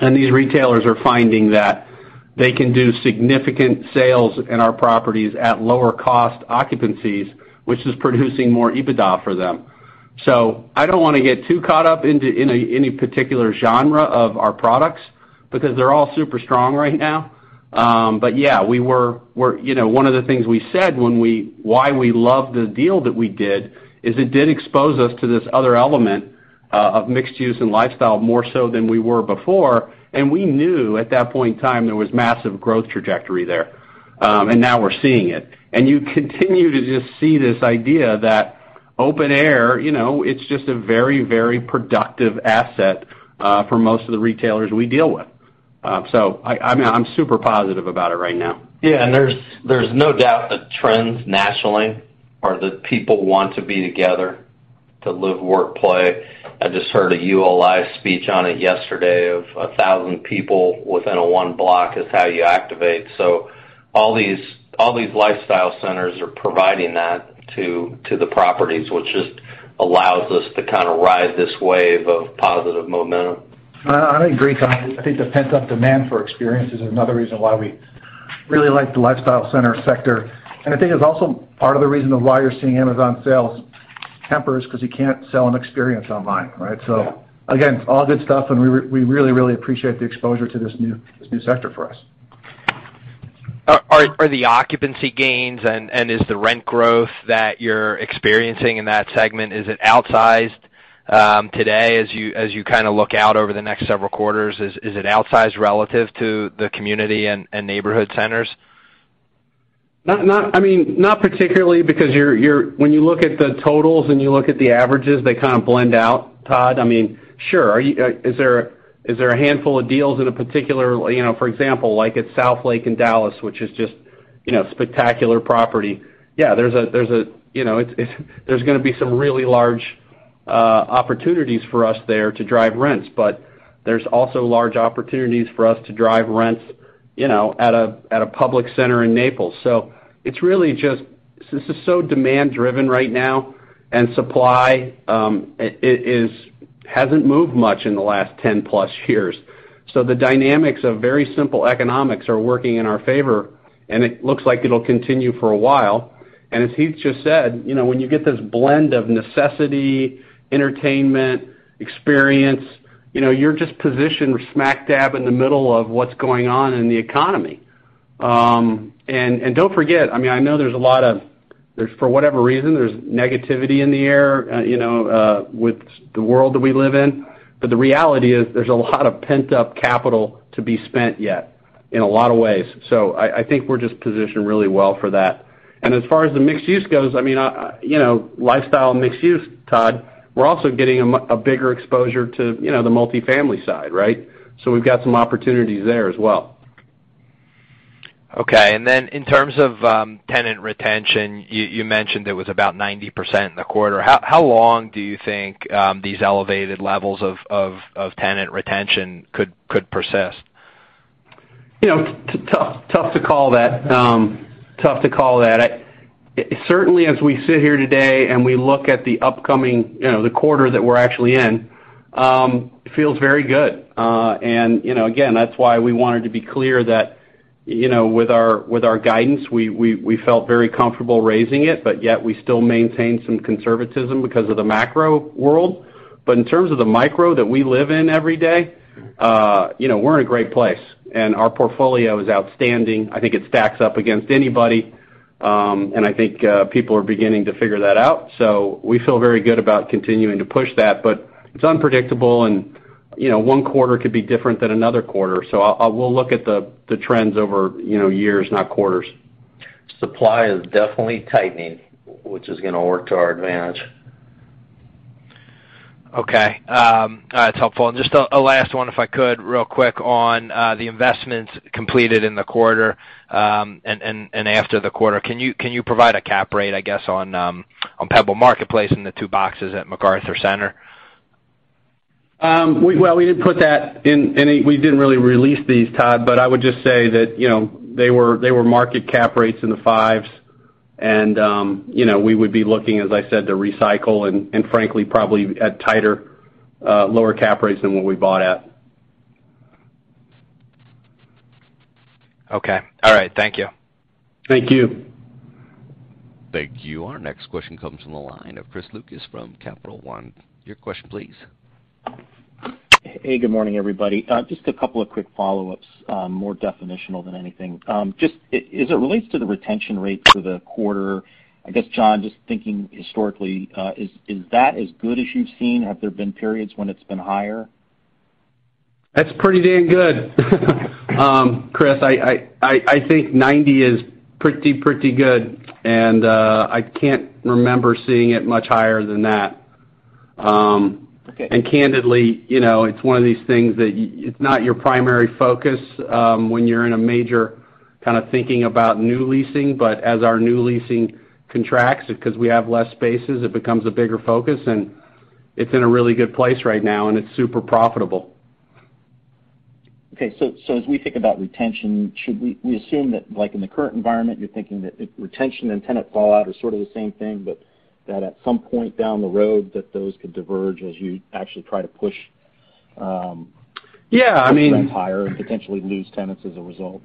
These retailers are finding that they can do significant sales in our properties at lower cost occupancies, which is producing more EBITDA for them. I don't wanna get too caught up into any particular genre of our products because they're all super strong right now. But yeah, we're, you know, one of the things we said, why we love the deal that we did is it did expose us to this other element of mixed use and lifestyle more so than we were before. We knew at that point in time there was massive growth trajectory there. Now we're seeing it. You continue to just see this idea that open air, you know, it's just a very, very productive asset for most of the retailers we deal with. I'm super positive about it right now. Yeah. There's no doubt the trends nationally are that people want to be together to live, work, play. I just heard a ULI speech on it yesterday of 1,000 people within 1 block is how you activate. All these lifestyle centers are providing that to the properties, which just allows us to kind of ride this wave of positive momentum. I agree, Tom. I think the pent-up demand for experience is another reason why we really like the lifestyle center sector. I think it's also part of the reason of why you're seeing Amazon sales temper 'cause you can't sell an experience online, right? Yeah. Again, all good stuff, and we really appreciate the exposure to this new sector for us. Are the occupancy gains and is the rent growth that you're experiencing in that segment, is it outsized today as you kind of look out over the next several quarters, is it outsized relative to the community and neighborhood centers? I mean, not particularly because when you look at the totals and you look at the averages, they kind of blend out, Todd. I mean, sure. Is there a handful of deals in a particular, you know, for example, like at Southlake in Dallas, which is just, you know, spectacular property. Yeah, there's a, you know, there's gonna be some really large opportunities for us there to drive rents, but there's also large opportunities for us to drive rents, you know, at a Publix center in Naples. It's really just, this is so demand driven right now, and supply hasn't moved much in the last 10 plus years. The dynamics of very simple economics are working in our favor, and it looks like it'll continue for a while. As Heath just said, you know, when you get this blend of necessity, entertainment, experience, you know, you're just positioned smack dab in the middle of what's going on in the economy. Don't forget, I mean, for whatever reason, there's negativity in the air, you know, with the world that we live in. The reality is there's a lot of pent-up capital to be spent yet in a lot of ways. I think we're just positioned really well for that. As far as the mixed use goes, I mean, you know, lifestyle and mixed use, Todd, we're also getting a bigger exposure to, you know, the multifamily side, right? We've got some opportunities there as well. Okay. In terms of tenant retention, you mentioned it was about 90% in the quarter. How long do you think these elevated levels of tenant retention could persist? You know, tough to call that. Certainly as we sit here today and we look at the upcoming, you know, the quarter that we're actually in, it feels very good. You know, again, that's why we wanted to be clear that, you know, with our guidance, we felt very comfortable raising it, but yet we still maintain some conservatism because of the macro world. In terms of the micro that we live in every day, you know, we're in a great place and our portfolio is outstanding. I think it stacks up against anybody. I think, people are beginning to figure that out, so we feel very good about continuing to push that. It's unpredictable and, you know, one quarter could be different than another quarter. We'll look at the trends over, you know, years, not quarters. Supply is definitely tightening, which is gonna work to our advantage. Okay. That's helpful. Just a last one if I could, real quick on the investments completed in the quarter, and after the quarter. Can you provide a cap rate, I guess, on Pebble Marketplace and the two boxes at MacArthur Crossing? Well, we didn't really release these, Todd, but I would just say that, you know, they were market cap rates in the fives and, you know, we would be looking, as I said, to recycle and frankly, probably at tighter, lower cap rates than what we bought at. Okay. All right. Thank you. Thank you. Thank you. Our next question comes from the line of Chris Lucas from Capital One. Your question, please. Hey, good morning, everybody. Just a couple of quick follow-ups, more definitional than anything. Just as it relates to the retention rate for the quarter, I guess, John, just thinking historically, is that as good as you've seen? Have there been periods when it's been higher? That's pretty damn good. Chris, I think 90 is pretty good, and I can't remember seeing it much higher than that. Okay. Candidly, you know, it's one of these things that it's not your primary focus, when you're in a major kind of thinking about new leasing, but as our new leasing contracts, 'cause we have less spaces, it becomes a bigger focus, and it's in a really good place right now and it's super profitable. Okay. As we think about retention, should we assume that like in the current environment, you're thinking that retention and tenant fallout is sort of the same thing, but that at some point down the road, that those could diverge as you actually try to push? Yeah, I mean. rents higher and potentially lose tenants as a result.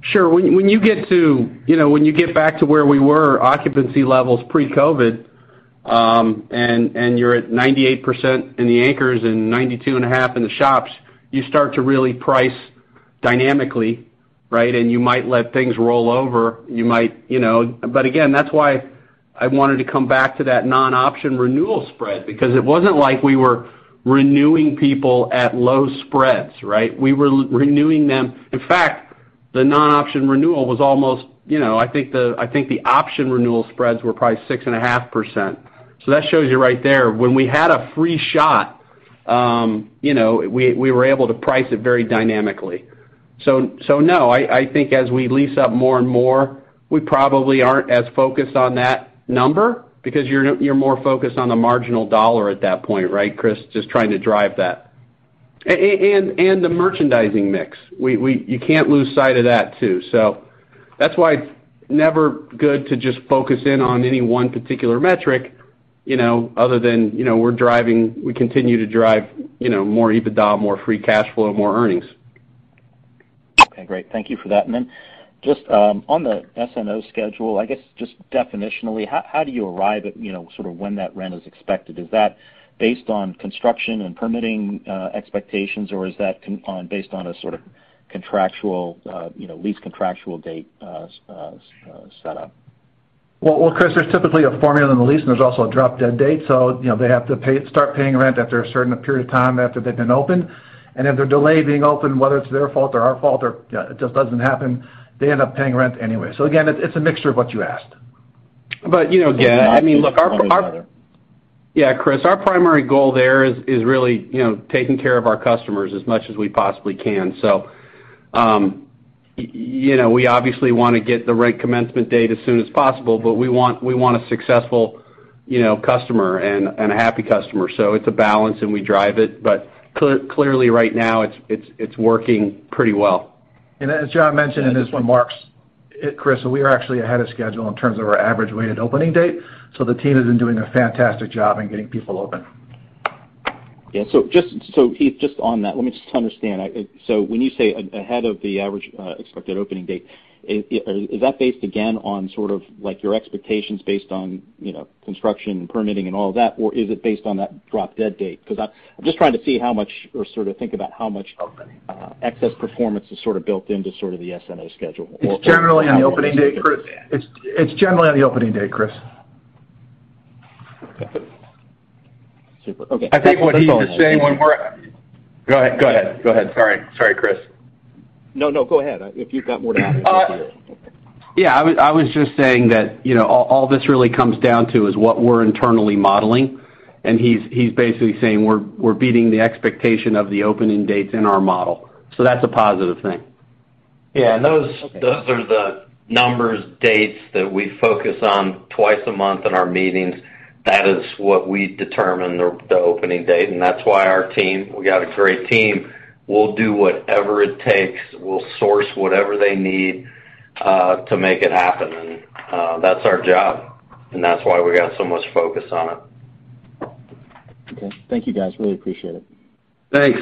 Sure. When you get to, you know, when you get back to where we were, occupancy levels pre-COVID, and you're at 98% in the anchors and 92.5 in the shops, you start to really price dynamically, right? You might let things roll over. You might, you know, again, that's why I wanted to come back to that non-option renewal spread, because it wasn't like we were renewing people at low spreads, right? We were renewing them. In fact, the non-option renewal was almost, you know, I think the option renewal spreads were probably 6.5%. So that shows you right there. When we had a free shot, you know, we were able to price it very dynamically. No, I think as we lease up more and more, we probably aren't as focused on that number because you're more focused on the marginal dollar at that point, right, Chris? Just trying to drive that. And the merchandising mix. We can't lose sight of that too. That's why it's never good to just focus in on any one particular metric, you know, other than, you know, we're driving, we continue to drive, you know, more EBITDA, more free cash flow, more earnings. Okay, great. Thank you for that. Just on the SNO schedule, I guess just definitionally, how do you arrive at, you know, sort of when that rent is expected? Is that based on construction and permitting expectations, or is that based on a sort of contractual, you know, lease contractual date set up? Well, Chris, there's typically a formula in the lease, and there's also a drop dead date. You know, they have to start paying rent after a certain period of time after they've been open. If they're delayed being open, whether it's their fault or our fault or, it just doesn't happen, they end up paying rent anyway. Again, it's a mixture of what you asked. you know, again, I mean, look, Yeah, Chris, our primary goal there is really, you know, taking care of our customers as much as we possibly can. So, you know, we obviously wanna get the rent commencement date as soon as possible, but we want a successful, you know, customer and a happy customer. So it's a balance and we drive it. Clearly right now, it's working pretty well. As John mentioned, and this one marks, Chris, we are actually ahead of schedule in terms of our average weighted opening date, so the team has been doing a fantastic job in getting people open. Yeah. Just, Heath, just on that, let me just understand. When you say ahead of the average expected opening date, is that based again on sort of like your expectations based on, you know, construction, permitting and all of that? Or is it based on that drop dead date? 'Cause I'm just trying to see how much or sort of think about how much excess performance is sort of built into sort of the SNO schedule or It's generally on the opening day, Chris. Okay. Super. Okay. Go ahead. Sorry, Chris. No, no, go ahead. If you've got more to add. Yeah, I was just saying that, you know, all this really comes down to is what we're internally modeling, and he's basically saying we're beating the expectation of the opening dates in our model. That's a positive thing. Yeah, those are the numbers, dates that we focus on twice a month in our meetings. That is what we determine the opening date, and that's why our team, we got a great team, will do whatever it takes. We'll source whatever they need to make it happen. That's our job, and that's why we got so much focus on it. Okay. Thank you, guys. Really appreciate it. Thanks.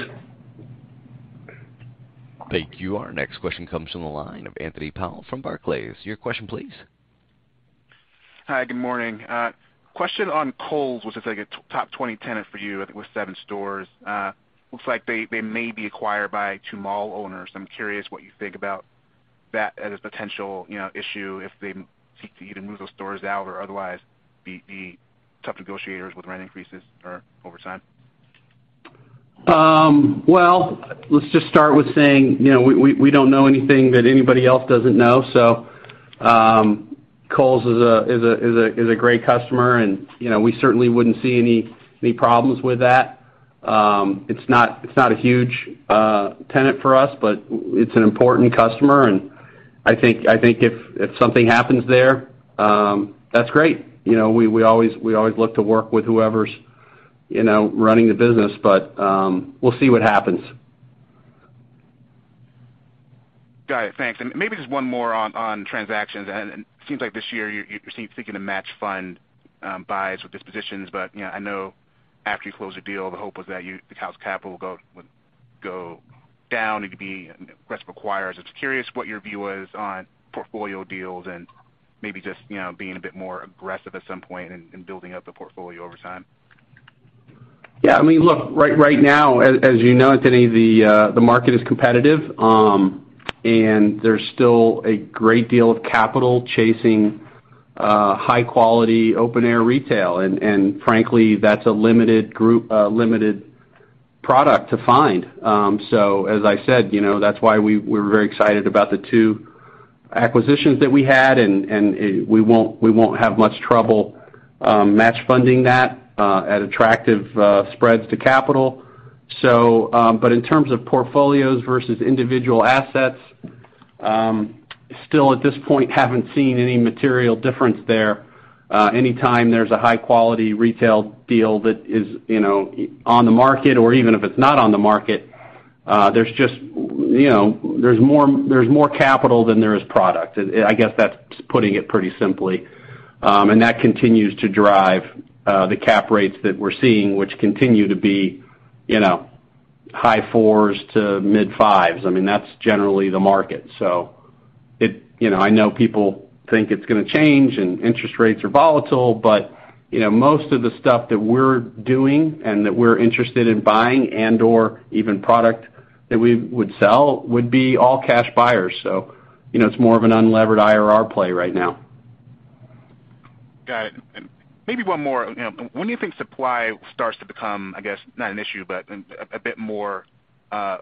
Thank you. Our next question comes from the line of Anthony Powell from Barclays. Your question, please. Hi, good morning. Question on Kohl's, which is like a top 20 tenant for you, I think with seven stores. Looks like they may be acquired by two mall owners. I'm curious what you think about that as a potential, you know, issue if they seek to either move those stores out or otherwise be tough negotiators with rent increases or over time. Well, let's just start with saying, you know, we don't know anything that anybody else doesn't know. Kohl's is a great customer and, you know, we certainly wouldn't see any problems with that. It's not a huge tenant for us, but it's an important customer. I think if something happens there, that's great. You know, we always look to work with whoever's, you know, running the business. We'll see what happens. Got it. Thanks. Maybe just one more on transactions. It seems like this year you're seeming to think to match fund buys with dispositions. You know, I know after you close a deal, the hope was that the cost of capital would go down. It could be aggressive acquisitions. Just curious what your view was on portfolio deals and maybe just, you know, being a bit more aggressive at some point in building up the portfolio over time. Yeah. I mean, look, right now, as you know, Anthony, the market is competitive. And there's still a great deal of capital chasing high quality open air retail. And frankly, that's a limited group, limited product to find. So as I said, you know, that's why we're very excited about the two acquisitions that we had, and we won't have much trouble match funding that at attractive spreads to capital. But in terms of portfolios versus individual assets, still at this point, haven't seen any material difference there. Anytime there's a high quality retail deal that is, you know, on the market or even if it's not on the market, there's just, you know, there's more capital than there is product. I guess that's putting it pretty simply. That continues to drive the cap rates that we're seeing, which continue to be, you know, high fours to mid fives. I mean, that's generally the market. You know, I know people think it's gonna change and interest rates are volatile, but, you know, most of the stuff that we're doing and that we're interested in buying and/or even product that we would sell would be all cash buyers. You know, it's more of an unlevered IRR play right now. Got it. Maybe one more. You know, when do you think supply starts to become, I guess, not an issue, but a bit more of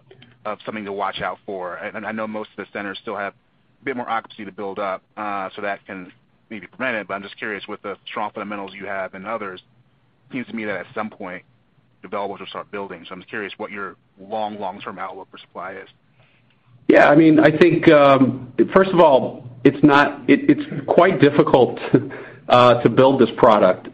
something to watch out for? I know most of the centers still have a bit more occupancy to build up, so that can maybe prevent it. I'm just curious, with the strong fundamentals you have and others, it seems to me that at some point, developers will start building. I'm just curious what your long, long-term outlook for supply is. Yeah, I mean, I think first of all, it's quite difficult to build this product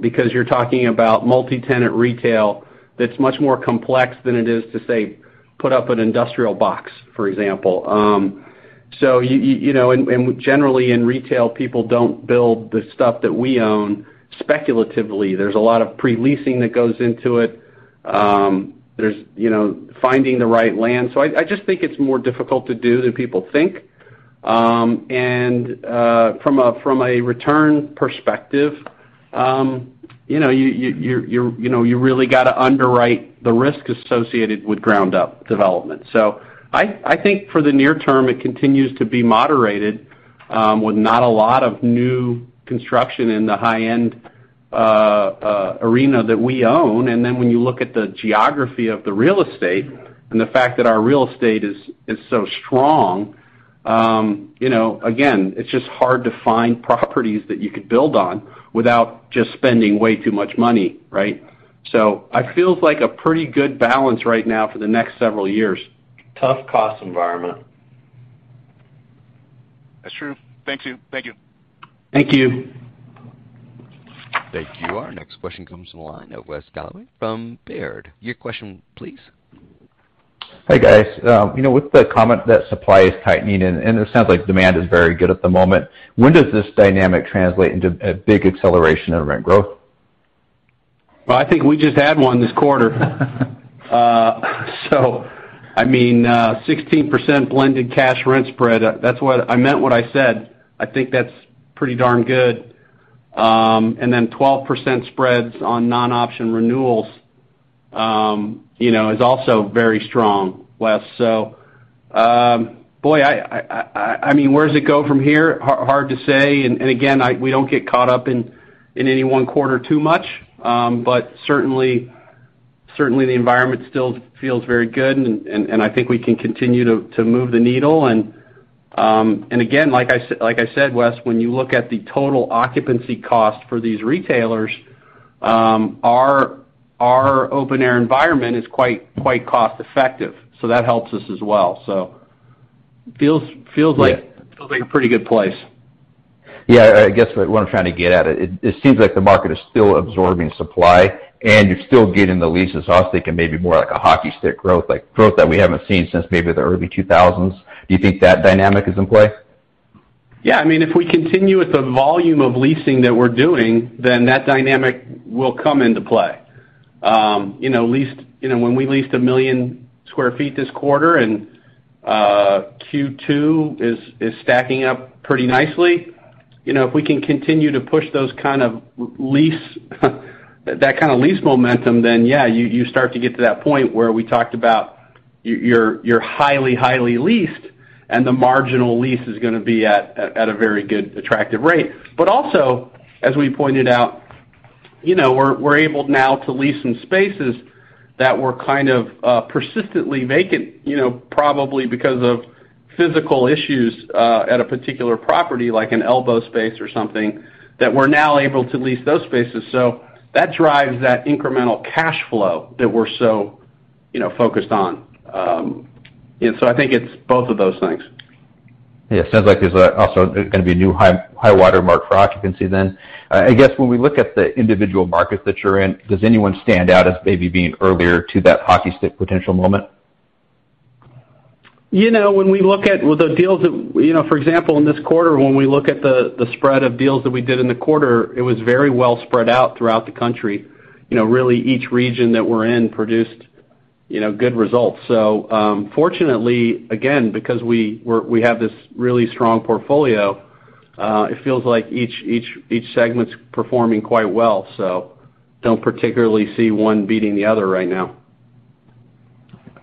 because you're talking about multi-tenant retail that's much more complex than it is to, say, put up an industrial box, for example. You know, generally in retail, people don't build the stuff that we own speculatively. There's a lot of pre-leasing that goes into it. There's, you know, finding the right land. I just think it's more difficult to do than people think. From a return perspective, you know, you really got to underwrite the risk associated with ground-up development. I think for the near term, it continues to be moderated, with not a lot of new construction in the high-end arena that we own. Then when you look at the geography of the real estate and the fact that our real estate is so strong, you know, again, it's just hard to find properties that you could build on without just spending way too much money, right? It feels like a pretty good balance right now for the next several years. Tough cost environment. That's true. Thank you. Thank you. Thank you. Thank you. Our next question comes from the line of Wes Golladay from Baird. Your question, please. Hi, guys. You know, with the comment that supply is tightening and it sounds like demand is very good at the moment, when does this dynamic translate into a big acceleration in rent growth? Well, I think we just had one this quarter. I mean, 16% blended cash rent spread. I meant what I said, I think that's pretty darn good. Then 12% spreads on non-option renewals, you know, is also very strong, Wes. Boy, I mean, where does it go from here? Hard to say. Again, we don't get caught up in any one quarter too much. Certainly the environment still feels very good and I think we can continue to move the needle. Again, like I said, Wes, when you look at the total occupancy cost for these retailers, our open air environment is quite cost effective, so that helps us as well. It feels like- Yeah. Feels like a pretty good place. Yeah. I guess what I'm trying to get at, it seems like the market is still absorbing supply and you're still getting the leases, so I was thinking maybe more like a hockey stick growth, like growth that we haven't seen since maybe the early 2000s. Do you think that dynamic is in play? Yeah. I mean, if we continue with the volume of leasing that we're doing, then that dynamic will come into play. You know, when we leased 1 million sq ft this quarter and Q2 is stacking up pretty nicely, you know, if we can continue to push those kind of lease, that kind of lease momentum, then yeah, you start to get to that point where we talked about you're highly leased and the marginal lease is gonna be at a very good attractive rate. But also, as we pointed out, you know, we're able now to lease some spaces that were kind of persistently vacant, you know, probably because of physical issues at a particular property, like an elbow space or something that we're now able to lease those spaces. that drives that incremental cash flow that we're so, you know, focused on. I think it's both of those things. Yeah. It sounds like there's also gonna be a new high-water mark for occupancy then. I guess when we look at the individual markets that you're in, does anyone stand out as maybe being earlier to that hockey stick potential moment? You know, when we look at the deals that you know, for example, in this quarter, when we look at the spread of deals that we did in the quarter, it was very well spread out throughout the country. You know, really each region that we're in produced you know, good results. Fortunately, again, because we have this really strong portfolio, it feels like each segment's performing quite well, so don't particularly see one beating the other right now.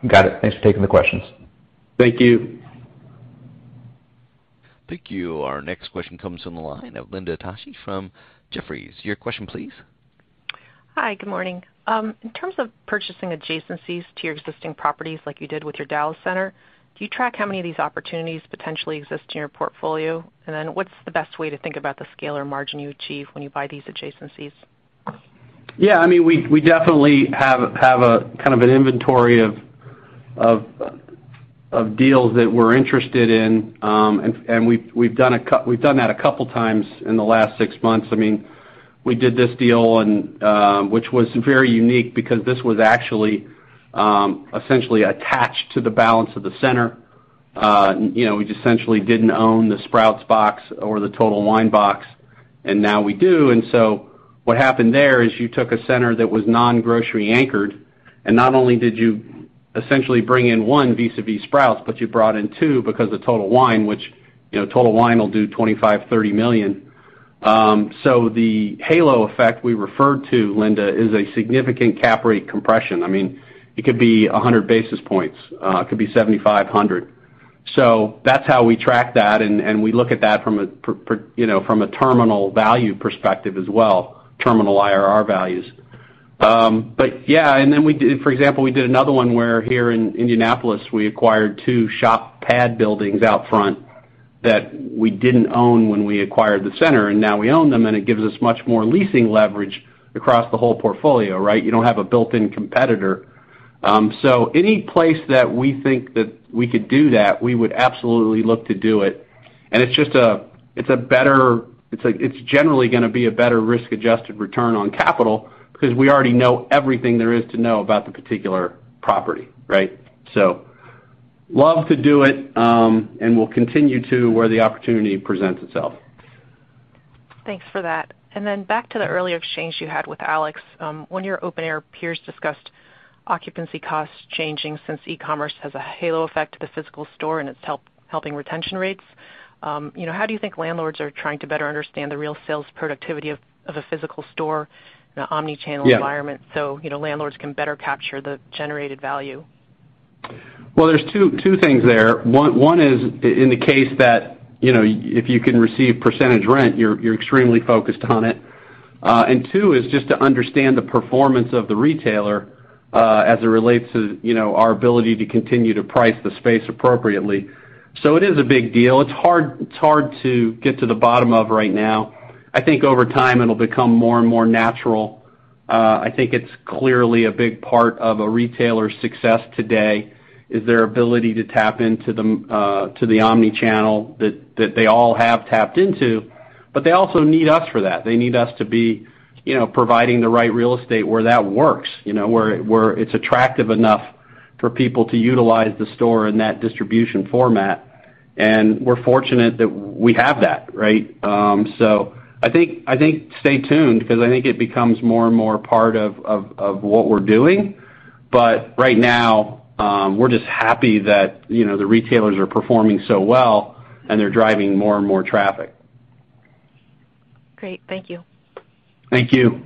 Got it. Thanks for taking the questions. Thank you. Thank you. Our next question comes from the line of Linda Tsai from Jefferies. Your question, please. Hi. Good morning. In terms of purchasing adjacencies to your existing properties, as you did with your Dallas center, do you track how many of these opportunities potentially exist in your portfolio? What's the best way to think about the scale or margin you achieve when you buy these adjacencies? Yeah. I mean, we definitely have a kind of inventory of deals that we're interested in. And we've done that a couple of times in the last six months. I mean, we did this deal, which was very unique because this was actually essentially attached to the balance of the center. You know, we essentially didn't own the Sprouts box or the Total Wine box, and now we do. What happened there is you took a center that was non-grocery anchored, and not only did you essentially bring in one vis-a-vis Sprouts, but you brought in two because of Total Wine, which, you know, Total Wine will do $25-$30 million. So the halo effect we referred to, Linda, is a significant cap rate compression. I mean, it could be 100 basis points, it could be 75, 100. So that's how we track that and we look at that from a, you know, from a terminal value perspective as well, terminal IRR values. Yeah. Then, for example, we did another one where here in Indianapolis, we acquired two shop pad buildings out front that we didn't own when we acquired the center, and now we own them, and it gives us much more leasing leverage across the whole portfolio, right? You don't have a built-in competitor. Any place that we think that we could do that, we would absolutely look to do it. It's generally gonna be a better risk-adjusted return on capital because we already know everything there is to know about the particular property, right? Love to do it, and we'll continue to where the opportunity presents itself. Thanks for that. Then back to the earlier exchange you had with Alex, one of your open-air peers discussed occupancy costs changing since e-commerce has a halo effect to the physical store and it's helping retention rates. You know, how do you think landlords are trying to better understand the real sales productivity of a physical store in an omni-channel environment? Yeah. you know, landlords can better capture the generated value? Well, there's two things there. One is in the case that, you know, if you can receive percentage rent, you're extremely focused on it. And two is just to understand the performance of the retailer, as it relates to, you know, our ability to continue to price the space appropriately. So it is a big deal. It's hard to get to the bottom of right now. I think over time it'll become more and more natural. I think it's clearly a big part of a retailer's success today, is their ability to tap into the omni-channel that they all have tapped into. But they also need us for that. They need us to be, you know, providing the right real estate where that works, you know, where it's attractive enough for people to utilize the store in that distribution format, and we're fortunate that we have that, right? I think stay tuned because I think it becomes more and more part of what we're doing. Right now, we're just happy that, you know, the retailers are performing so well and they're driving more and more traffic. Great. Thank you. Thank you.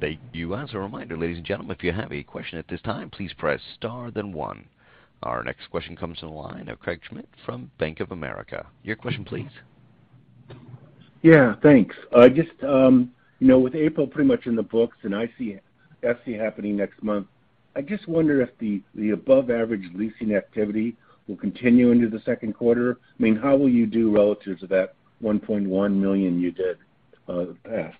Thank you. As a reminder, ladies and gentlemen, if you have a question at this time, please press star then one. Our next question comes from the line of Craig Schmidt from Bank of America. Your question, please. Yeah. Thanks. I just, you know, with April pretty much in the books, I see it happening next month. I just wonder if the above-average leasing activity will continue into Q2. I mean, how will you do relative to that 1.1 million you did in the past?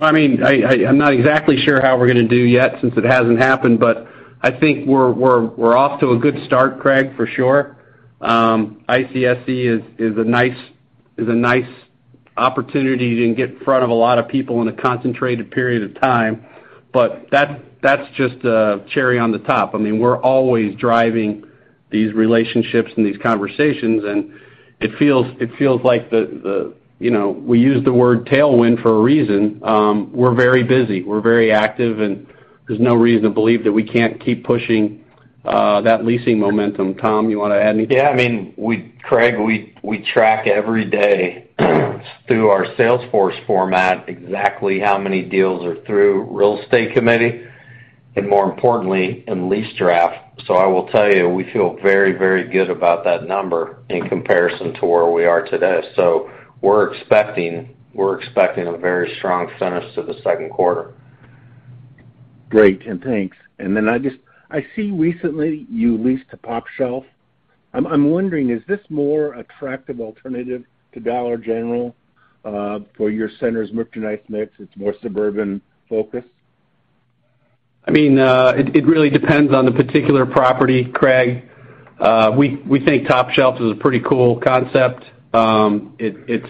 I mean, I'm not exactly sure how we're gonna do yet since it hasn't happened, but I think we're off to a good start, Craig, for sure. ICSC is a nice opportunity to get in front of a lot of people in a concentrated period of time, but that's just the cherry on the top. I mean, we're always driving these relationships and these conversations, and it feels like you know, we use the word tailwind for a reason. We're very busy. We're very active, and there's no reason to believe that we can't keep pushing that leasing momentum. Tom, you wanna add anything? Yeah. I mean, Craig, we track every day through our Salesforce format exactly how many deals are through the real estate committee, and more importantly, in lease draft. I will tell you, we feel very, very good about that number in comparison to where we are today. We're expecting a very strong finish to Q2. Great. Thanks. Then I saw recently you leased to Top Shelf. I'm wondering, is this a more attractive alternative to Dollar General for your centers' merchant mix? It's more suburban-focused. I mean, it really depends on the particular property, Craig. We think Top Shelf is a pretty cool concept. It's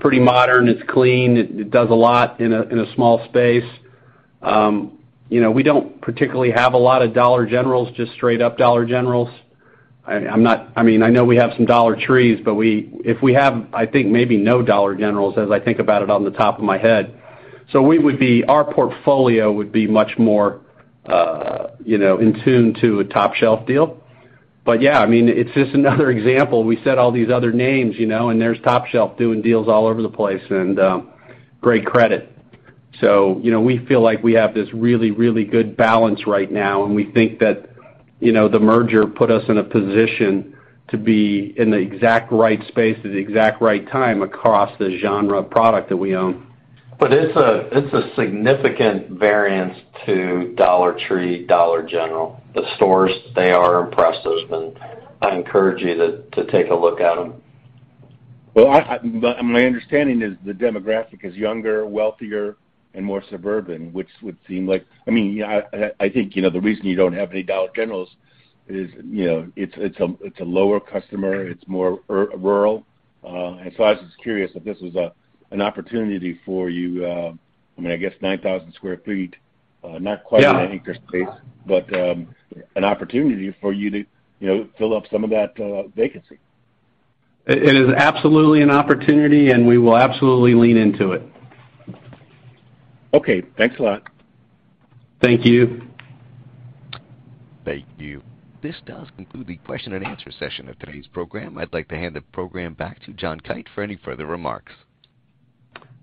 pretty modern. It's clean. It does a lot in a small space. You know, we don't particularly have a lot of Dollar Generals, just straight up Dollar Generals. I mean, I know we have some Dollar Trees, but if we have, I think maybe no Dollar Generals as I think about it on the top of my head. Our portfolio would be much more, you know, in tune to a Top Shelf deal. Yeah, I mean, it's just another example. We said all these other names, you know, and there's Top Shelf doing deals all over the place and great credit. you know, we feel like we have this really, really good balance right now, and we think that, you know, the merger put us in a position to be in the exact right space at the exact right time across the genre of product that we own. It's a significant variance to Dollar Tree, Dollar General. The stores, they are impressive, and I encourage you to take a look at them. Well, my understanding is the demographic is younger, wealthier, and more suburban, which would seem like. I mean, yeah, I think you know the reason you don't have any Dollar Generals is you know it's a lower customer. It's more rural. I was just curious if this was an opportunity for you. I mean, I guess 9,000 sq ft, not quite. Yeah. an anchor space, but an opportunity for you to, you know, fill up some of that vacancy. It is absolutely an opportunity, and we will absolutely lean into it. Okay. Thanks a lot. Thank you. Thank you. This does conclude the Q&A session of today's program. I'd like to hand the program back to John Kite for any further remarks.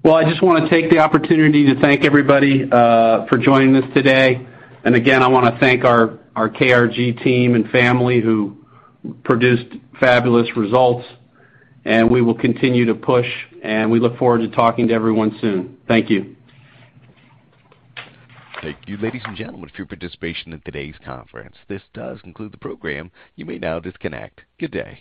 Well, I just wanna take the opportunity to thank everybody for joining us today. Again, I wanna thank our KRG team and family who produced fabulous results, and we will continue to push, and we look forward to talking to everyone soon. Thank you. Thank you, ladies and gentlemen, for your participation in today's conference. This does conclude the program. You may now disconnect. Good day.